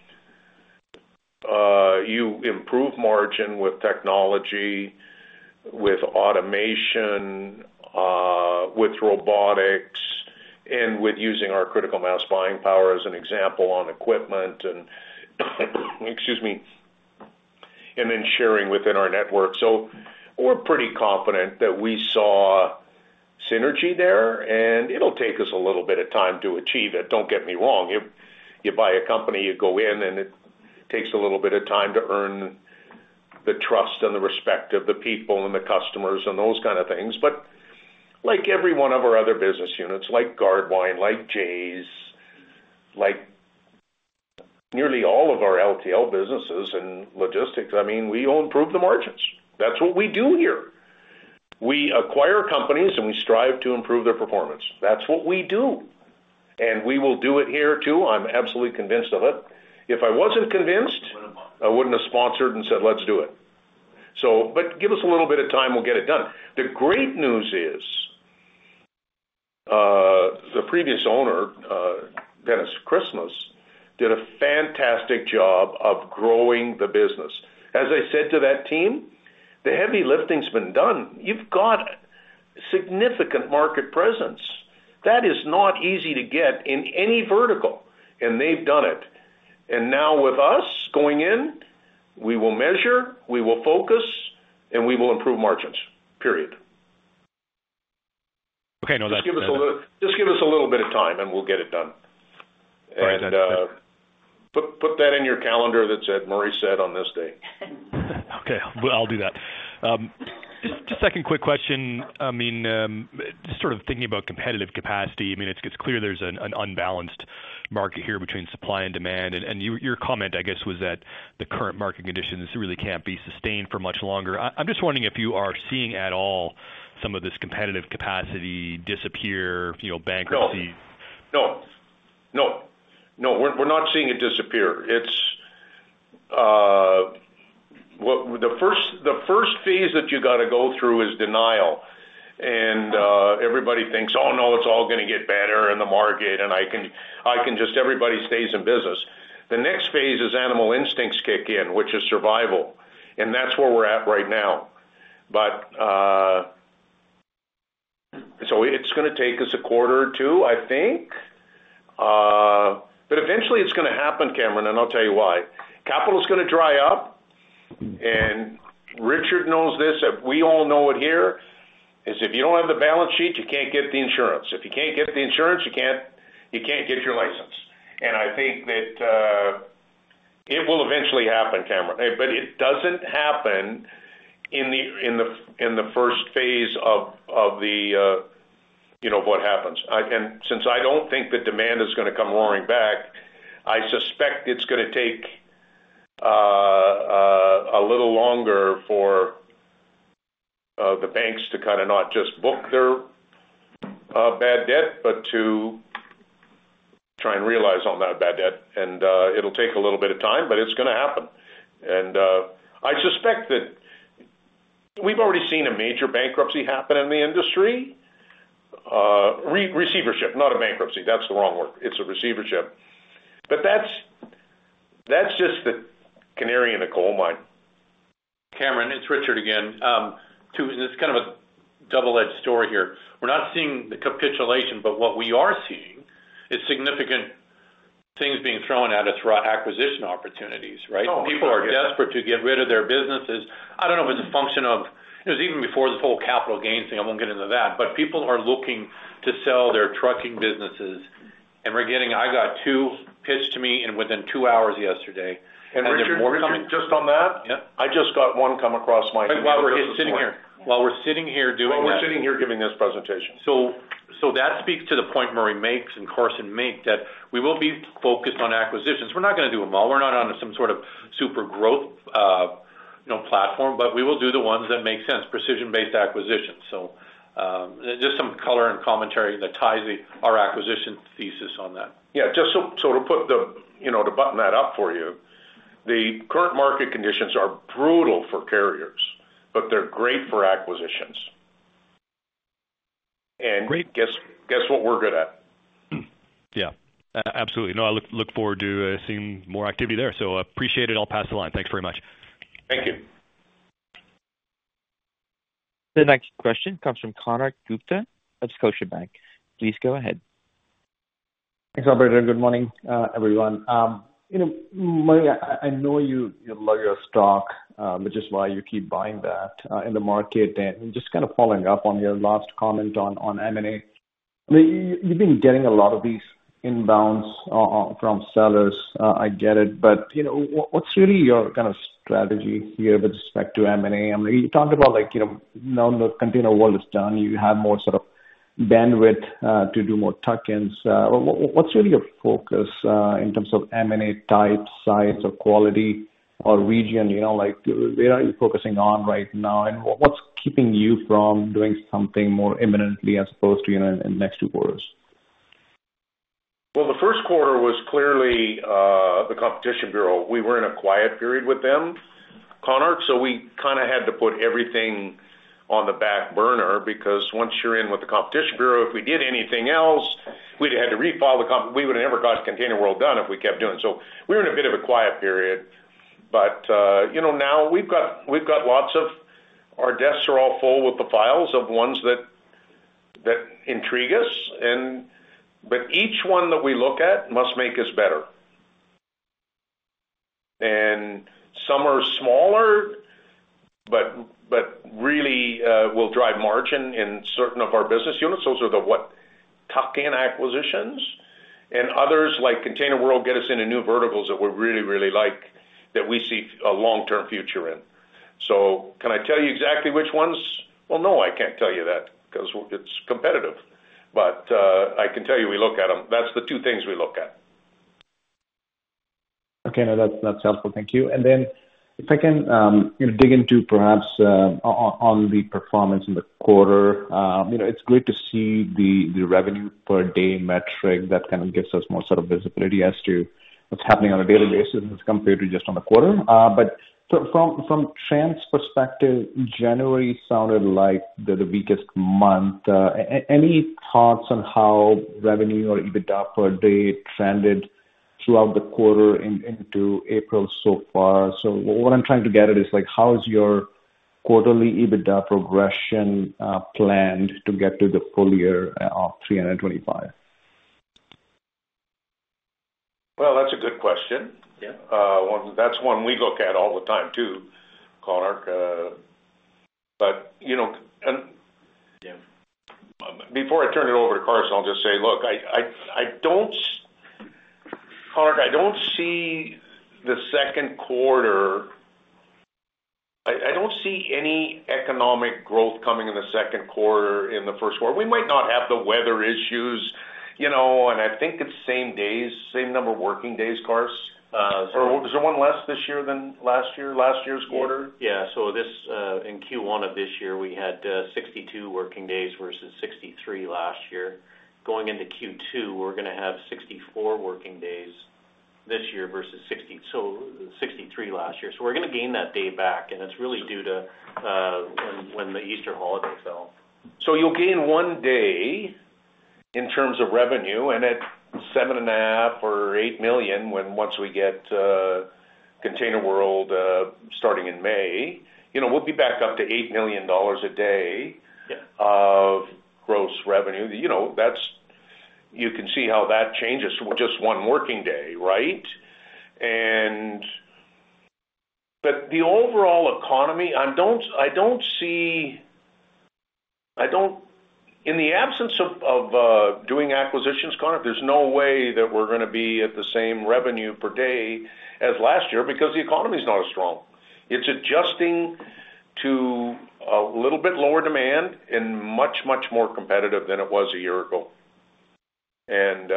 you improve margin with technology, with automation, with robotics, and with using our critical mass buying power, as an example, on equipment and, excuse me, and then sharing within our network. So we're pretty confident that we saw synergy there. And it'll take us a little bit of time to achieve it. Don't get me wrong. You buy a company. You go in, and it takes a little bit of time to earn the trust and the respect of the people and the customers and those kind of things. But like every one of our other business units, like Gardewine, like Jay's, like nearly all of our LTL businesses and logistics, I mean, we all improve the margins. That's what we do here. We acquire companies, and we strive to improve their performance. That's what we do. And we will do it here too. I'm absolutely convinced of it. If I wasn't convinced, I wouldn't have sponsored and said, "Let's do it." But give us a little bit of time. We'll get it done. The great news is the previous owner, Dennis Christmas, did a fantastic job of growing the business. As I said to that team, the heavy lifting's been done. You've got significant market presence. That is not easy to get in any vertical. And they've done it. And now with us going in, we will measure. We will focus. And we will improve margins, period. Okay. No, that's. Just give us a little bit of time, and we'll get it done. Put that in your calendar that Murray said on this day. Okay. I'll do that. Just second quick question. I mean, just sort of thinking about competitive capacity, I mean, it gets clear there's an unbalanced market here between supply and demand. Your comment, I guess, was that the current market conditions really can't be sustained for much longer. I'm just wondering if you are seeing at all some of this competitive capacity disappear, bankruptcy? No. No. No. No. We're not seeing it disappear. The first phase that you got to go through is denial. And everybody thinks, "Oh, no. It's all going to get better in the market. And I can just" everybody stays in business. The next phase is animal instincts kick in, which is survival. And that's where we're at right now. So it's going to take us a quarter or two, I think. But eventually, it's going to happen, Cameron. And I'll tell you why. Capital's going to dry up. And Richard knows this. We all know it here: if you don't have the balance sheet, you can't get the insurance. If you can't get the insurance, you can't get your license. And I think that it will eventually happen, Cameron. But it doesn't happen in the first phase of what happens. Since I don't think that demand is going to come roaring back, I suspect it's going to take a little longer for the banks to kind of not just book their bad debt, but to try and realize on that bad debt. It'll take a little bit of time, but it's going to happen. I suspect that we've already seen a major bankruptcy happen in the industry. Receivership, not a bankruptcy. That's the wrong word. It's a receivership. But that's just the canary in the coal mine. Cameron, it's Richard again. And it's kind of a double-edged story here. We're not seeing the capitulation. But what we are seeing is significant things being thrown at us, acquisition opportunities, right? People are desperate to get rid of their businesses. I don't know if it's a function of it was even before this whole capital gains thing. I won't get into that. But people are looking to sell their trucking businesses. And I got two pitched to me within two hours yesterday. And they're more coming. Richard, just on that, I just got one come across my ears. Right. While we're sitting here doing this. While we're sitting here giving this presentation. So that speaks to the point Murray makes and Carson make that we will be focused on acquisitions. We're not going to do them all. We're not on some sort of super growth platform. But we will do the ones that make sense, precision-based acquisitions. So just some color and commentary that ties our acquisition thesis on that. Yeah. Just so to button that up for you, the current market conditions are brutal for carriers, but they're great for acquisitions. Guess what we're good at. Yeah. Absolutely. No, I look forward to seeing more activity there. So appreciate it. I'll pass the line. Thanks very much. Thank you. The next question comes from Konark Gupta of Scotiabank. Please go ahead. Thanks, Alberta. Good morning, everyone. Murray, I know you love your stock, which is why you keep buying that in the market. Just kind of following up on your last comment on M&A, I mean, you've been getting a lot of these inbounds from sellers. I get it. But what's really your kind of strategy here with respect to M&A? I mean, you talked about now the ContainerWorld is done. You have more sort of bandwidth to do more tuck-ins. What's really your focus in terms of M&A type, size, or quality, or region? Where are you focusing on right now? And what's keeping you from doing something more imminently as opposed to in the next two quarters? Well, the Q1 was clearly the Competition Bureau. We were in a quiet period with them, Konark. So we kind of had to put everything on the back burner because once you're in with the Competition Bureau, if we did anything else, we'd had to refile we would have never got ContainerWorld done if we kept doing so we were in a bit of a quiet period. But now, we've got lots of our desks are all full with the files of ones that intrigue us. But each one that we look at must make us better. And some are smaller but really will drive margin in certain of our business units. Those are the tuck-in acquisitions. And others, like ContainerWorld, get us into new verticals that we really, really like, that we see a long-term future in. So can I tell you exactly which ones? Well, No. I can't tell you that because it's competitive. But I can tell you we look at them. That's the two things we look at. Okay. No, that's helpful. Thank you. And then if I can dig into, perhaps, on the performance in the quarter, it's great to see the revenue per day metric. That kind of gives us more sort of visibility as to what's happening on a daily basis as compared to just on the quarter. But from transport's perspective, January sounded like the weakest month. Any thoughts on how revenue or EBITDA per day trended throughout the quarter into April so far? So what I'm trying to get at is how is your quarterly EBITDA progression planned to get to the full year of 325? Well, that's a good question. That's one we look at all the time too, Konark. And before I turn it over to Carson, I'll just say, look, Konark, I don't see the Q2. I don't see any economic growth coming in the Q2 in the Q1. We might not have the weather issues. And I think it's same days, same number of working days, Carson. Or was there one less this year than last year, last year's quarter? Yeah. So in Q1 of this year, we had 62 working days versus 63 last year. Going into Q2, we're going to have 64 working days this year versus 63 last year. So we're going to gain that day back. And it's really due to when the Easter holidays fell. So you'll gain one day in terms of revenue. At 7.5 million or 8 million once we get ContainerWorld starting in May, we'll be back up to 8 million dollars a day of gross revenue. You can see how that changes. Just one working day, right? But the overall economy, I don't see in the absence of doing acquisitions, Konark, there's no way that we're going to be at the same revenue per day as last year because the economy's not as strong. It's adjusting to a little bit lower demand and much, much more competitive than it was a year ago. And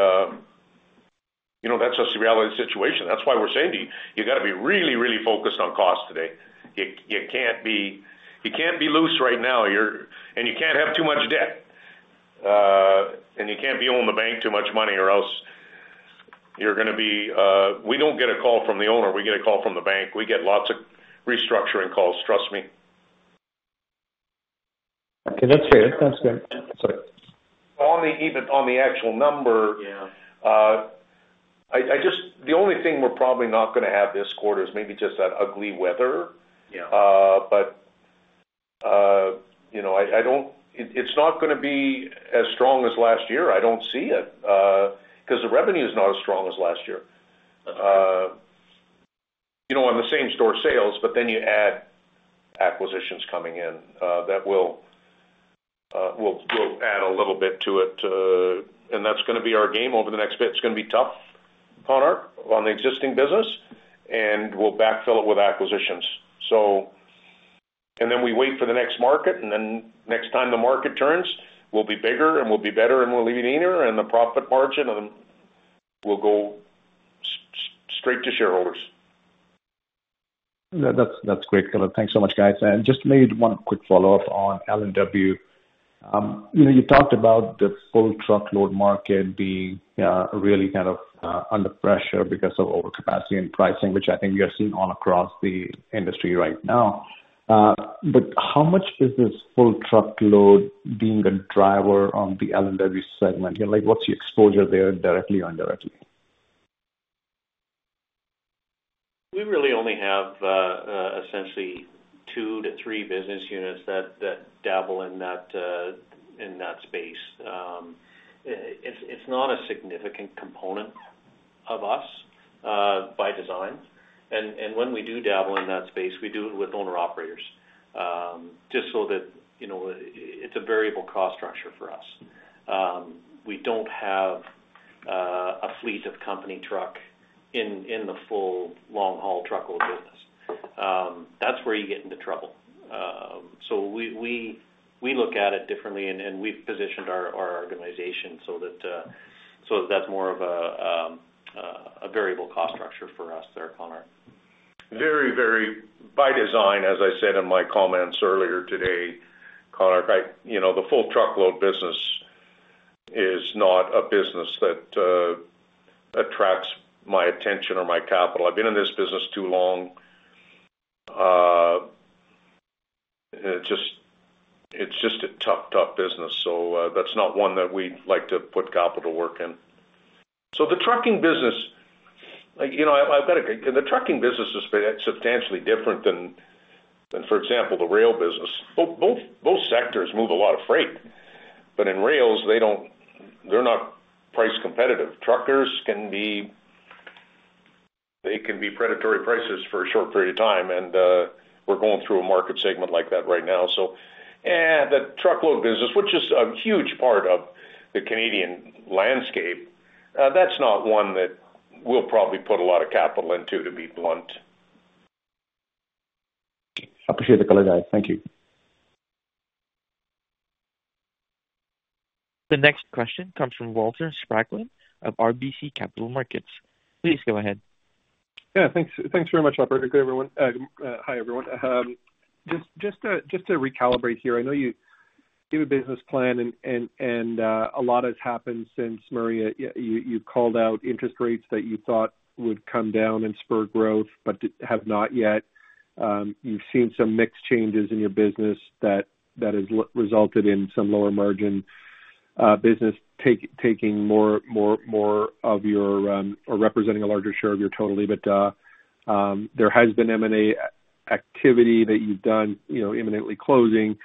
that's just the reality of the situation. That's why we're saying to you, you got to be really, really focused on cost today. You can't be loose right now. And you can't have too much debt. You can't be owing the bank too much money or else you're going to be. We don't get a call from the owner. We get a call from the bank. We get lots of restructuring calls, trust me. Okay. That's fair. That sounds good. Sorry. On the actual number, the only thing we're probably not going to have this quarter is maybe just that ugly weather. But it's not going to be as strong as last year. I don't see it because the revenue's not as strong as last year. On the same store sales, but then you add acquisitions coming in that will add a little bit to it. And that's going to be our game over the next bit. It's going to be tough, Konark, on the existing business. And we'll backfill it with acquisitions. And then we wait for the next market. And then next time the market turns, we'll be bigger. And we'll be better. And we'll leave it easier. And the profit margin will go straight to shareholders. That's great, Cameron. Thanks so much, guys. Just maybe one quick follow-up on LNW. You talked about the full truckload market being really kind of under pressure because of overcapacity and pricing, which I think you're seeing all across the industry right now. But how much is this full truckload being a driver on the LNW segment? What's your exposure there directly or indirectly? We really only have essentially two to three business units that dabble in that space. It's not a significant component of us by design. And when we do dabble in that space, we do it with owner-operators just so that it's a variable cost structure for us. We don't have a fleet of company truck in the full long-haul truckload business. That's where you get into trouble. So we look at it differently. And we've positioned our organization so that that's more of a variable cost structure for us there, Konark. Very, very by design, as I said in my comments earlier today, Konark, the full truckload business is not a business that attracts my attention or my capital. I've been in this business too long. It's just a tough, tough business. So that's not one that we'd like to put capital work in. So the trucking business is substantially different than, for example, the rail business. Both sectors move a lot of freight. But in rails, they're not price competitive. Truckers, they can be predatory prices for a short period of time. And we're going through a market segment like that right now. So the truckload business, which is a huge part of the Canadian landscape, that's not one that we'll probably put a lot of capital into, to be blunt. I appreciate the call, guys. Thank you. The next question comes from Walter Spracklin of RBC Capital Markets. Please go ahead. Yeah. Thanks very much, Alberta. Good, everyone. Hi, everyone. Just to recalibrate here, I know you gave a business plan. A lot has happened since, Murray, you called out interest rates that you thought would come down and spur growth but have not yet. You've seen some mixed changes in your business that has resulted in some lower margin, business taking more of your or representing a larger share of your total EBITDA. There has been M&A activity that you've done imminently closing.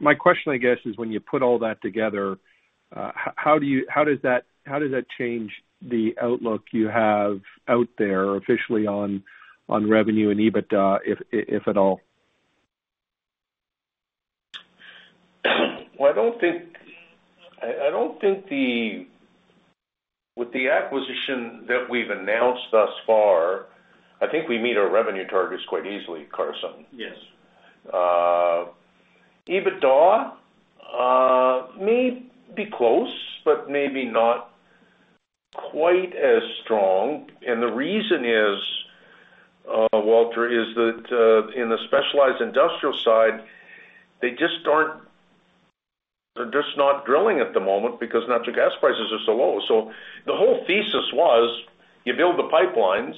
My question, I guess, is when you put all that together, how does that change the outlook you have out there officially on revenue and EBITDA, if at all? Well, I don't think, with the acquisition that we've announced thus far, I think we meet our revenue targets quite easily, Carson. EBITDA may be close but maybe not quite as strong. And the reason is, Walter, that in the specialized industrial side, they just aren't drilling at the moment because natural gas prices are so low. So the whole thesis was, you build the pipelines.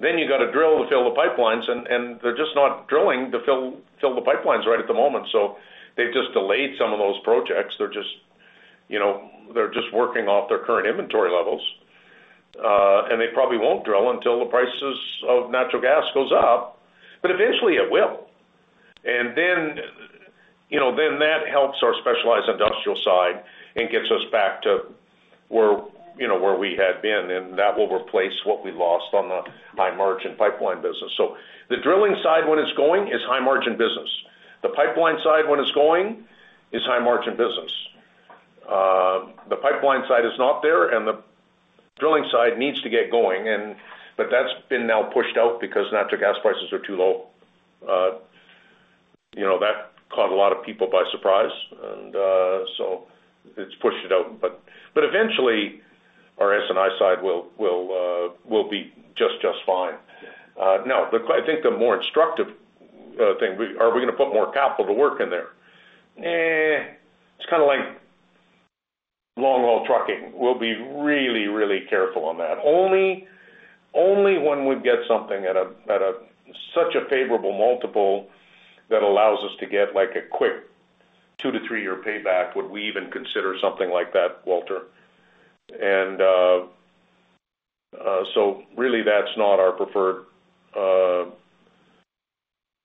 Then you got to drill to fill the pipelines. And they're just not drilling to fill the pipelines right at the moment. So they've just delayed some of those projects. They're just working off their current inventory levels. And they probably won't drill until the prices of natural gas goes up. But eventually, it will. And then that helps our specialized industrial side and gets us back to where we had been. And that will replace what we lost on the high-margin pipeline business. So the drilling side, when it's going, is high-margin business. The pipeline side, when it's going, is high-margin business. The pipeline side is not there. And the drilling side needs to get going. But that's been now pushed out because natural gas prices are too low. That caught a lot of people by surprise. And so it's pushed it out. But eventually, our S&I side will be just, just fine. Now, I think the more instructive thing, are we going to put more capital to work in there? It's kind of like long-haul trucking. We'll be really, really careful on that. Only when we get something at such a favorable multiple that allows us to get a quick two to three year payback would we even consider something like that, Walter. So really, that's not our preferred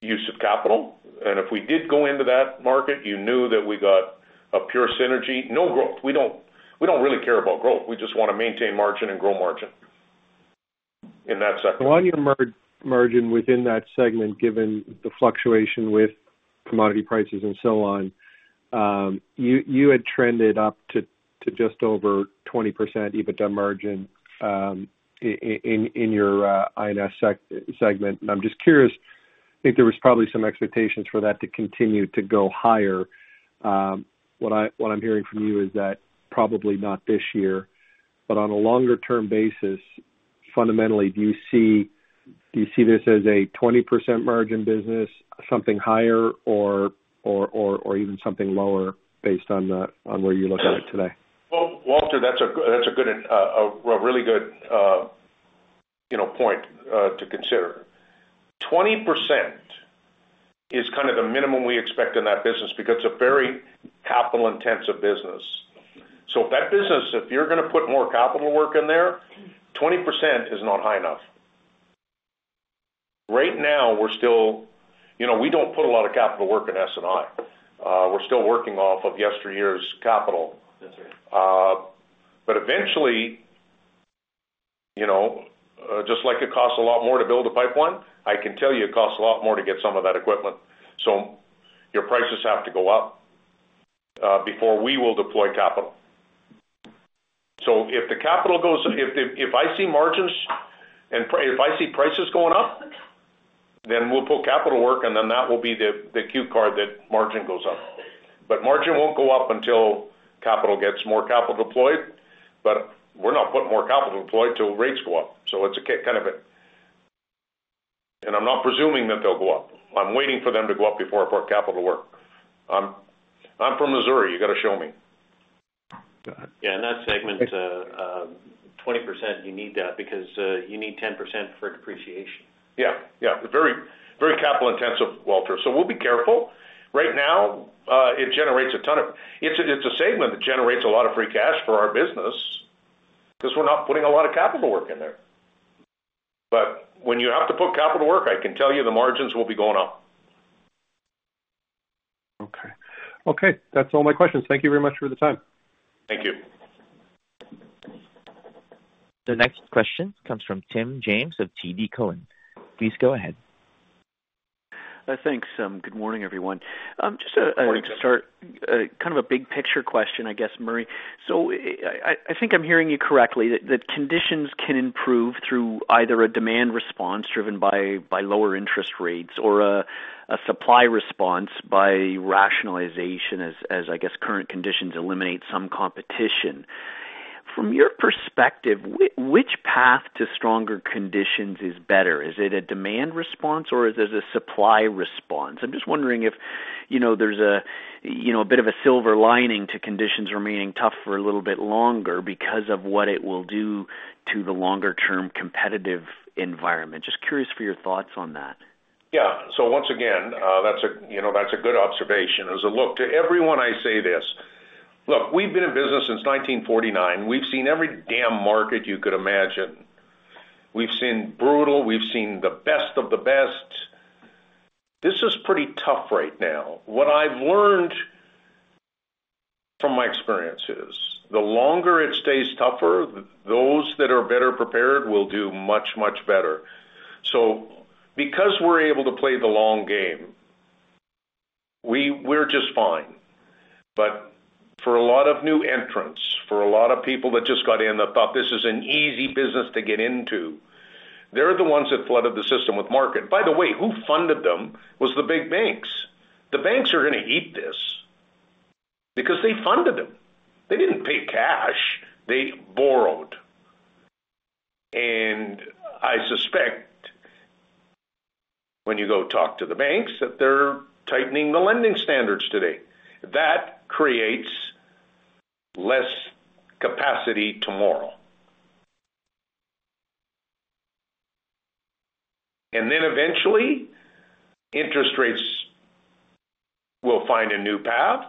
use of capital. And if we did go into that market, you knew that we got a pure synergy. No growth. We don't really care about growth. We just want to maintain margin and grow margin in that segment. So on your margin within that segment, given the fluctuation with commodity prices and so on, you had trended up to just over 20% EBITDA margin in your I&S segment. I'm just curious. I think there was probably some expectations for that to continue to go higher. What I'm hearing from you is that probably not this year. On a longer-term basis, fundamentally, do you see this as a 20% margin business, something higher, or even something lower based on where you look at it today? Walter, that's a good, a really good point to consider. 20% is kind of the minimum we expect in that business because it's a very capital-intensive business. So if you're going to put more capital work in there, 20% is not high enough. Right now, we don't put a lot of capital work in S&I. We're still working off of yesteryear's capital. But eventually, just like it costs a lot more to build a pipeline, I can tell you it costs a lot more to get some of that equipment. So your prices have to go up before we will deploy capital. So if I see margins and if I see prices going up, then we'll put capital work. And then that will be the cue card that margin goes up. Margin won't go up until capital gets more capital deployed. But we're not putting more capital deployed till rates go up. It's kind of a, and I'm not presuming that they'll go up. I'm waiting for them to go up before I put capital work. I'm from Missouri. You got to show me. Yeah. In that segment, 20%, you need that because you need 10% for depreciation. Yeah. Yeah. Very capital-intensive, Walter. So we'll be careful. Right now, it generates a ton of. It's a segment that generates a lot of free cash for our business because we're not putting a lot of capital work in there. But when you have to put capital work, I can tell you the margins will be going up. Okay. Okay. That's all my questions. Thank you very much for the time. Thank you. The next question comes from Tim James of TD Cowen. Please go ahead. Thanks. Good morning, everyone. Just to start, kind of a big-picture question, I guess, Murray. So I think I'm hearing you correctly that conditions can improve through either a demand response driven by lower interest rates or a supply response by rationalization, as I guess current conditions eliminate some competition. From your perspective, which path to stronger conditions is better? Is it a demand response, or is it a supply response? I'm just wondering if there's a bit of a silver lining to conditions remaining tough for a little bit longer because of what it will do to the longer-term competitive environment. Just curious for your thoughts on that. Yeah. So once again, that's a good observation. As always, to everyone, I say this. Look, we've been in business since 1949. We've seen every damn market you could imagine. We've seen brutal. We've seen the best of the best. This is pretty tough right now. What I've learned from my experience is, the longer it stays tougher, those that are better prepared will do much, much better. So because we're able to play the long game, we're just fine. But for a lot of new entrants, for a lot of people that just got in that thought this is an easy business to get into, they're the ones that flooded the system with capacity. By the way, who funded them was the big banks. The banks are going to eat this because they funded them. They didn't pay cash. They borrowed. I suspect when you go talk to the banks that they're tightening the lending standards today. That creates less capacity tomorrow. Then eventually, interest rates will find a new path.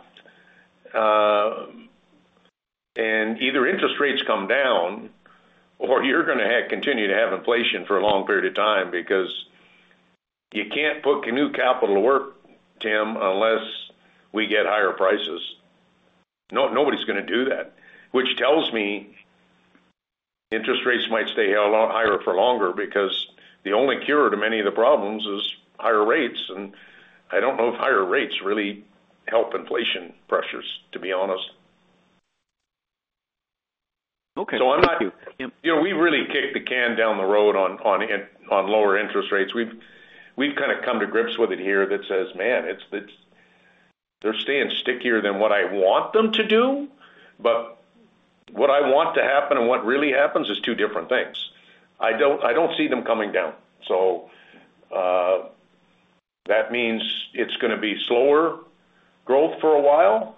Either interest rates come down, or you're going to continue to have inflation for a long period of time because you can't put new capital to work, Tim, unless we get higher prices. Nobody's going to do that, which tells me interest rates might stay higher for longer because the only cure to many of the problems is higher rates. I don't know if higher rates really help inflation pressures, to be honest. I'm not. Thank you. Yeah. We've really kicked the can down the road on lower interest rates. We've kind of come to grips with it here that says, "Man, they're staying stickier than what I want them to do." But what I want to happen and what really happens is two different things. I don't see them coming down. So that means it's going to be slower growth for a while.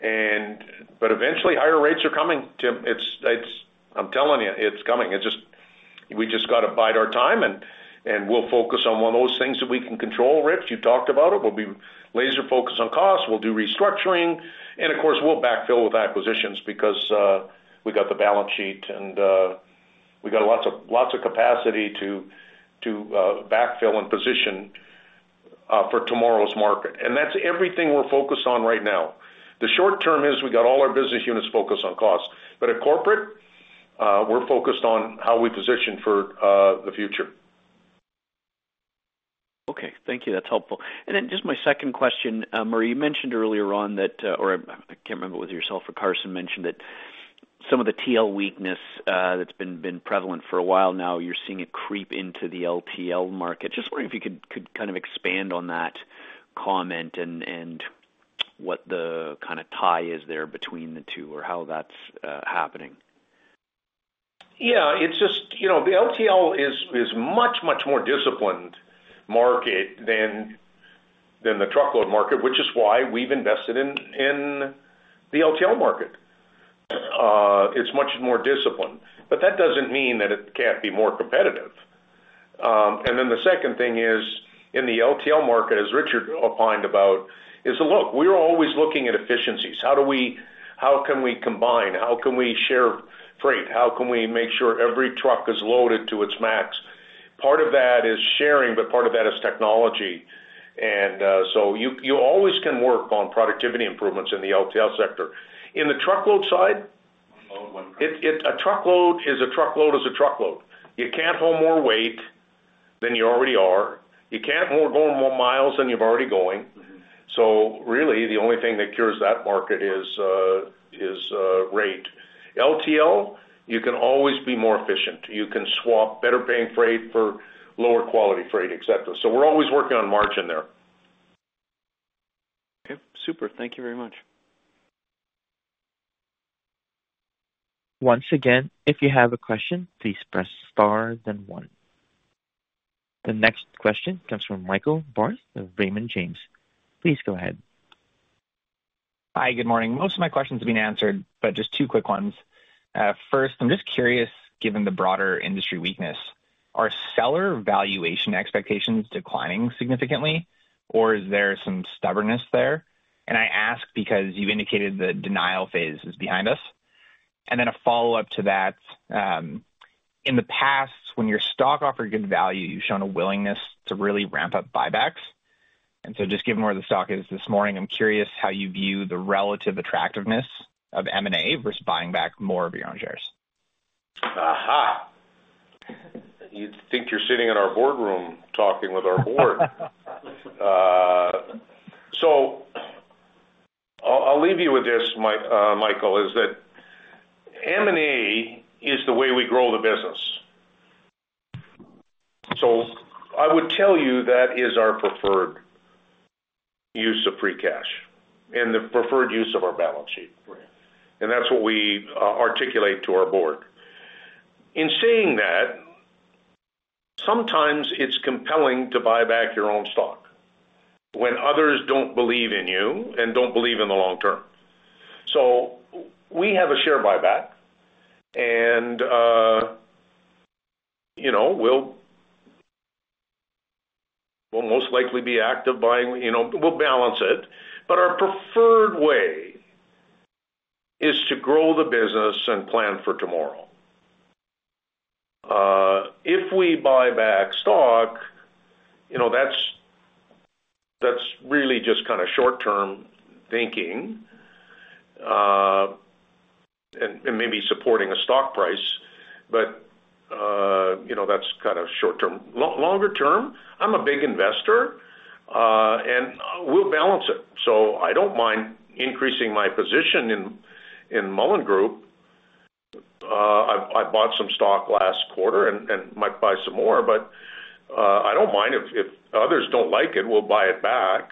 But eventually, higher rates are coming, Tim. I'm telling you, it's coming. We just got to bide our time. And we'll focus on one of those things that we can control, Rich. You talked about it. We'll be laser-focused on cost. We'll do restructuring. And of course, we'll backfill with acquisitions because we got the balance sheet. And we got lots of capacity to backfill and position for tomorrow's market. And that's everything we're focused on right now. The short term is we got all our business units focused on cost. But at corporate, we're focused on how we position for the future. Okay. Thank you. That's helpful. And then just my second question, Murray, you mentioned earlier on that or I can't remember whether yourself or Carson mentioned that some of the TL weakness that's been prevalent for a while now, you're seeing it creep into the LTL market. Just wondering if you could kind of expand on that comment and what the kind of tie is there between the two or how that's happening. Yeah. It's just the LTL is a much, much more disciplined market than the truckload market, which is why we've invested in the LTL market. It's much more disciplined. But that doesn't mean that it can't be more competitive. And then the second thing is, in the LTL market, as Richard opined about, is, "Look, we're always looking at efficiencies. How can we combine? How can we share freight? How can we make sure every truck is loaded to its max?" Part of that is sharing, but part of that is technology. And so you always can work on productivity improvements in the LTL sector. In the truckload side. One load, one car. A truckload is a truckload is a truckload. You can't hold more weight than you already are. You can't go more miles than you've already going. So really, the only thing that cures that market is rate. LTL, you can always be more efficient. You can swap better-paying freight for lower-quality freight, etc. So we're always working on margin there. Okay. Super. Thank you very much. Once again, if you have a question, please press star then one. The next question comes from Michael Barth of Raymond James. Please go ahead. Hi. Good morning. Most of my questions have been answered, but just two quick ones. First, I'm just curious, given the broader industry weakness, are seller valuation expectations declining significantly, or is there some stubbornness there? I ask because you indicated the denial phase is behind us. Then a follow-up to that, in the past, when your stock offered good value, you've shown a willingness to really ramp up buybacks. So just given where the stock is this morning, I'm curious how you view the relative attractiveness of M&A versus buying back more of your own shares. Aha. You'd think you're sitting in our boardroom talking with our board. So I'll leave you with this, Michael, M&A is the way we grow the business. So I would tell you that is our preferred use of free cash and the preferred use of our balance sheet. And that's what we articulate to our board. In saying that, sometimes it's compelling to buy back your own stock when others don't believe in you and don't believe in the long term. So we have a share buyback. And we'll most likely be active buying. We'll balance it. But our preferred way is to grow the business and plan for tomorrow. If we buy back stock, that's really just kind of short-term thinking and maybe supporting a stock price. But that's kind of short-term. Longer term, I'm a big investor. And we'll balance it. So I don't mind increasing my position in Mullen Group. I bought some stock last quarter. And might buy some more. But I don't mind if others don't like it. We'll buy it back.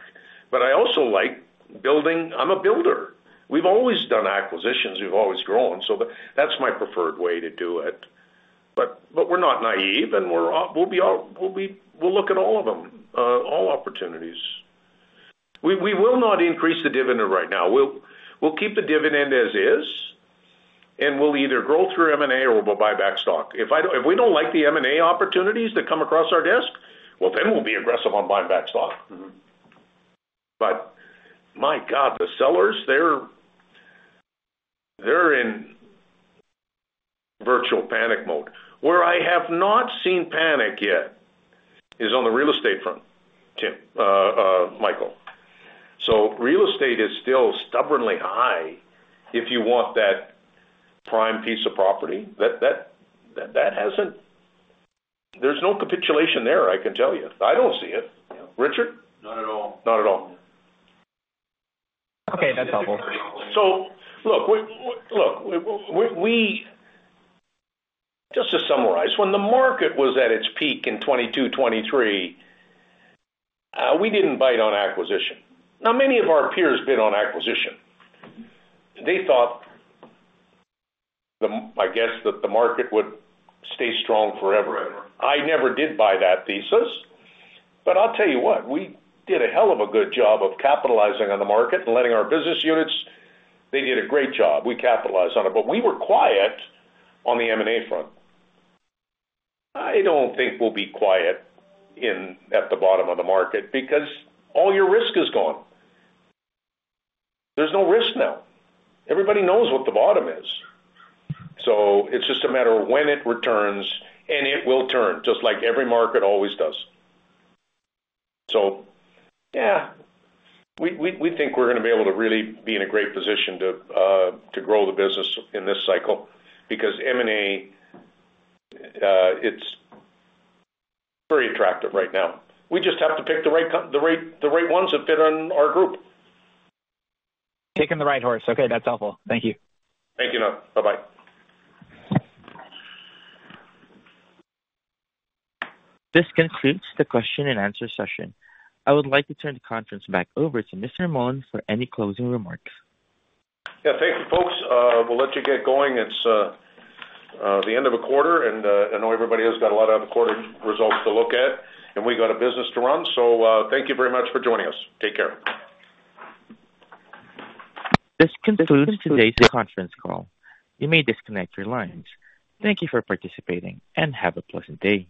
But I also like building. I'm a builder. We've always done acquisitions. We've always grown. So that's my preferred way to do it. But we're not naive. And we'll look at all of them, all opportunities. We will not increase the dividend right now. We'll keep the dividend as is. And we'll either grow through M&A, or we'll buy back stock. If we don't like the M&A opportunities that come across our desk, well, then we'll be aggressive on buying back stock. But my God, the sellers, they're in virtual panic mode. Where I have not seen panic yet is on the real estate front, Michael. So real estate is still stubbornly high if you want that prime piece of property. There's no capitulation there, I can tell you. I don't see it. Richard? Not at all. Not at all. Okay. That's helpful. So look, just to summarize, when the market was at its peak in 2022, 2023, we didn't bite on acquisition. Now, many of our peers bid on acquisition. They thought, I guess, that the market would stay strong forever. I never did buy that thesis. But I'll tell you what, we did a hell of a good job of capitalizing on the market and letting our business units they did a great job. We capitalized on it. But we were quiet on the M&A front. I don't think we'll be quiet at the bottom of the market because all your risk is gone. There's no risk now. Everybody knows what the bottom is. So it's just a matter of when it returns. And it will turn just like every market always does. So yeah, we think we're going to be able to really be in a great position to grow the business in this cycle because M&A, it's very attractive right now. We just have to pick the right ones that fit on our group. Taking the right horse. Okay. That's helpful. Thank you. Thank you, now. Bye-bye. This concludes the question-and-answer session. I would like to turn the conference back over to Mr. Mullen for any closing remarks. Yeah. Thank you, folks. We'll let you get going. It's the end of a quarter. I know everybody has got a lot of other quarter results to look at. We got a business to run. Thank you very much for joining us. Take care. This concludes today's conference call. You may disconnect your lines. Thank you for participating, and have a pleasant day.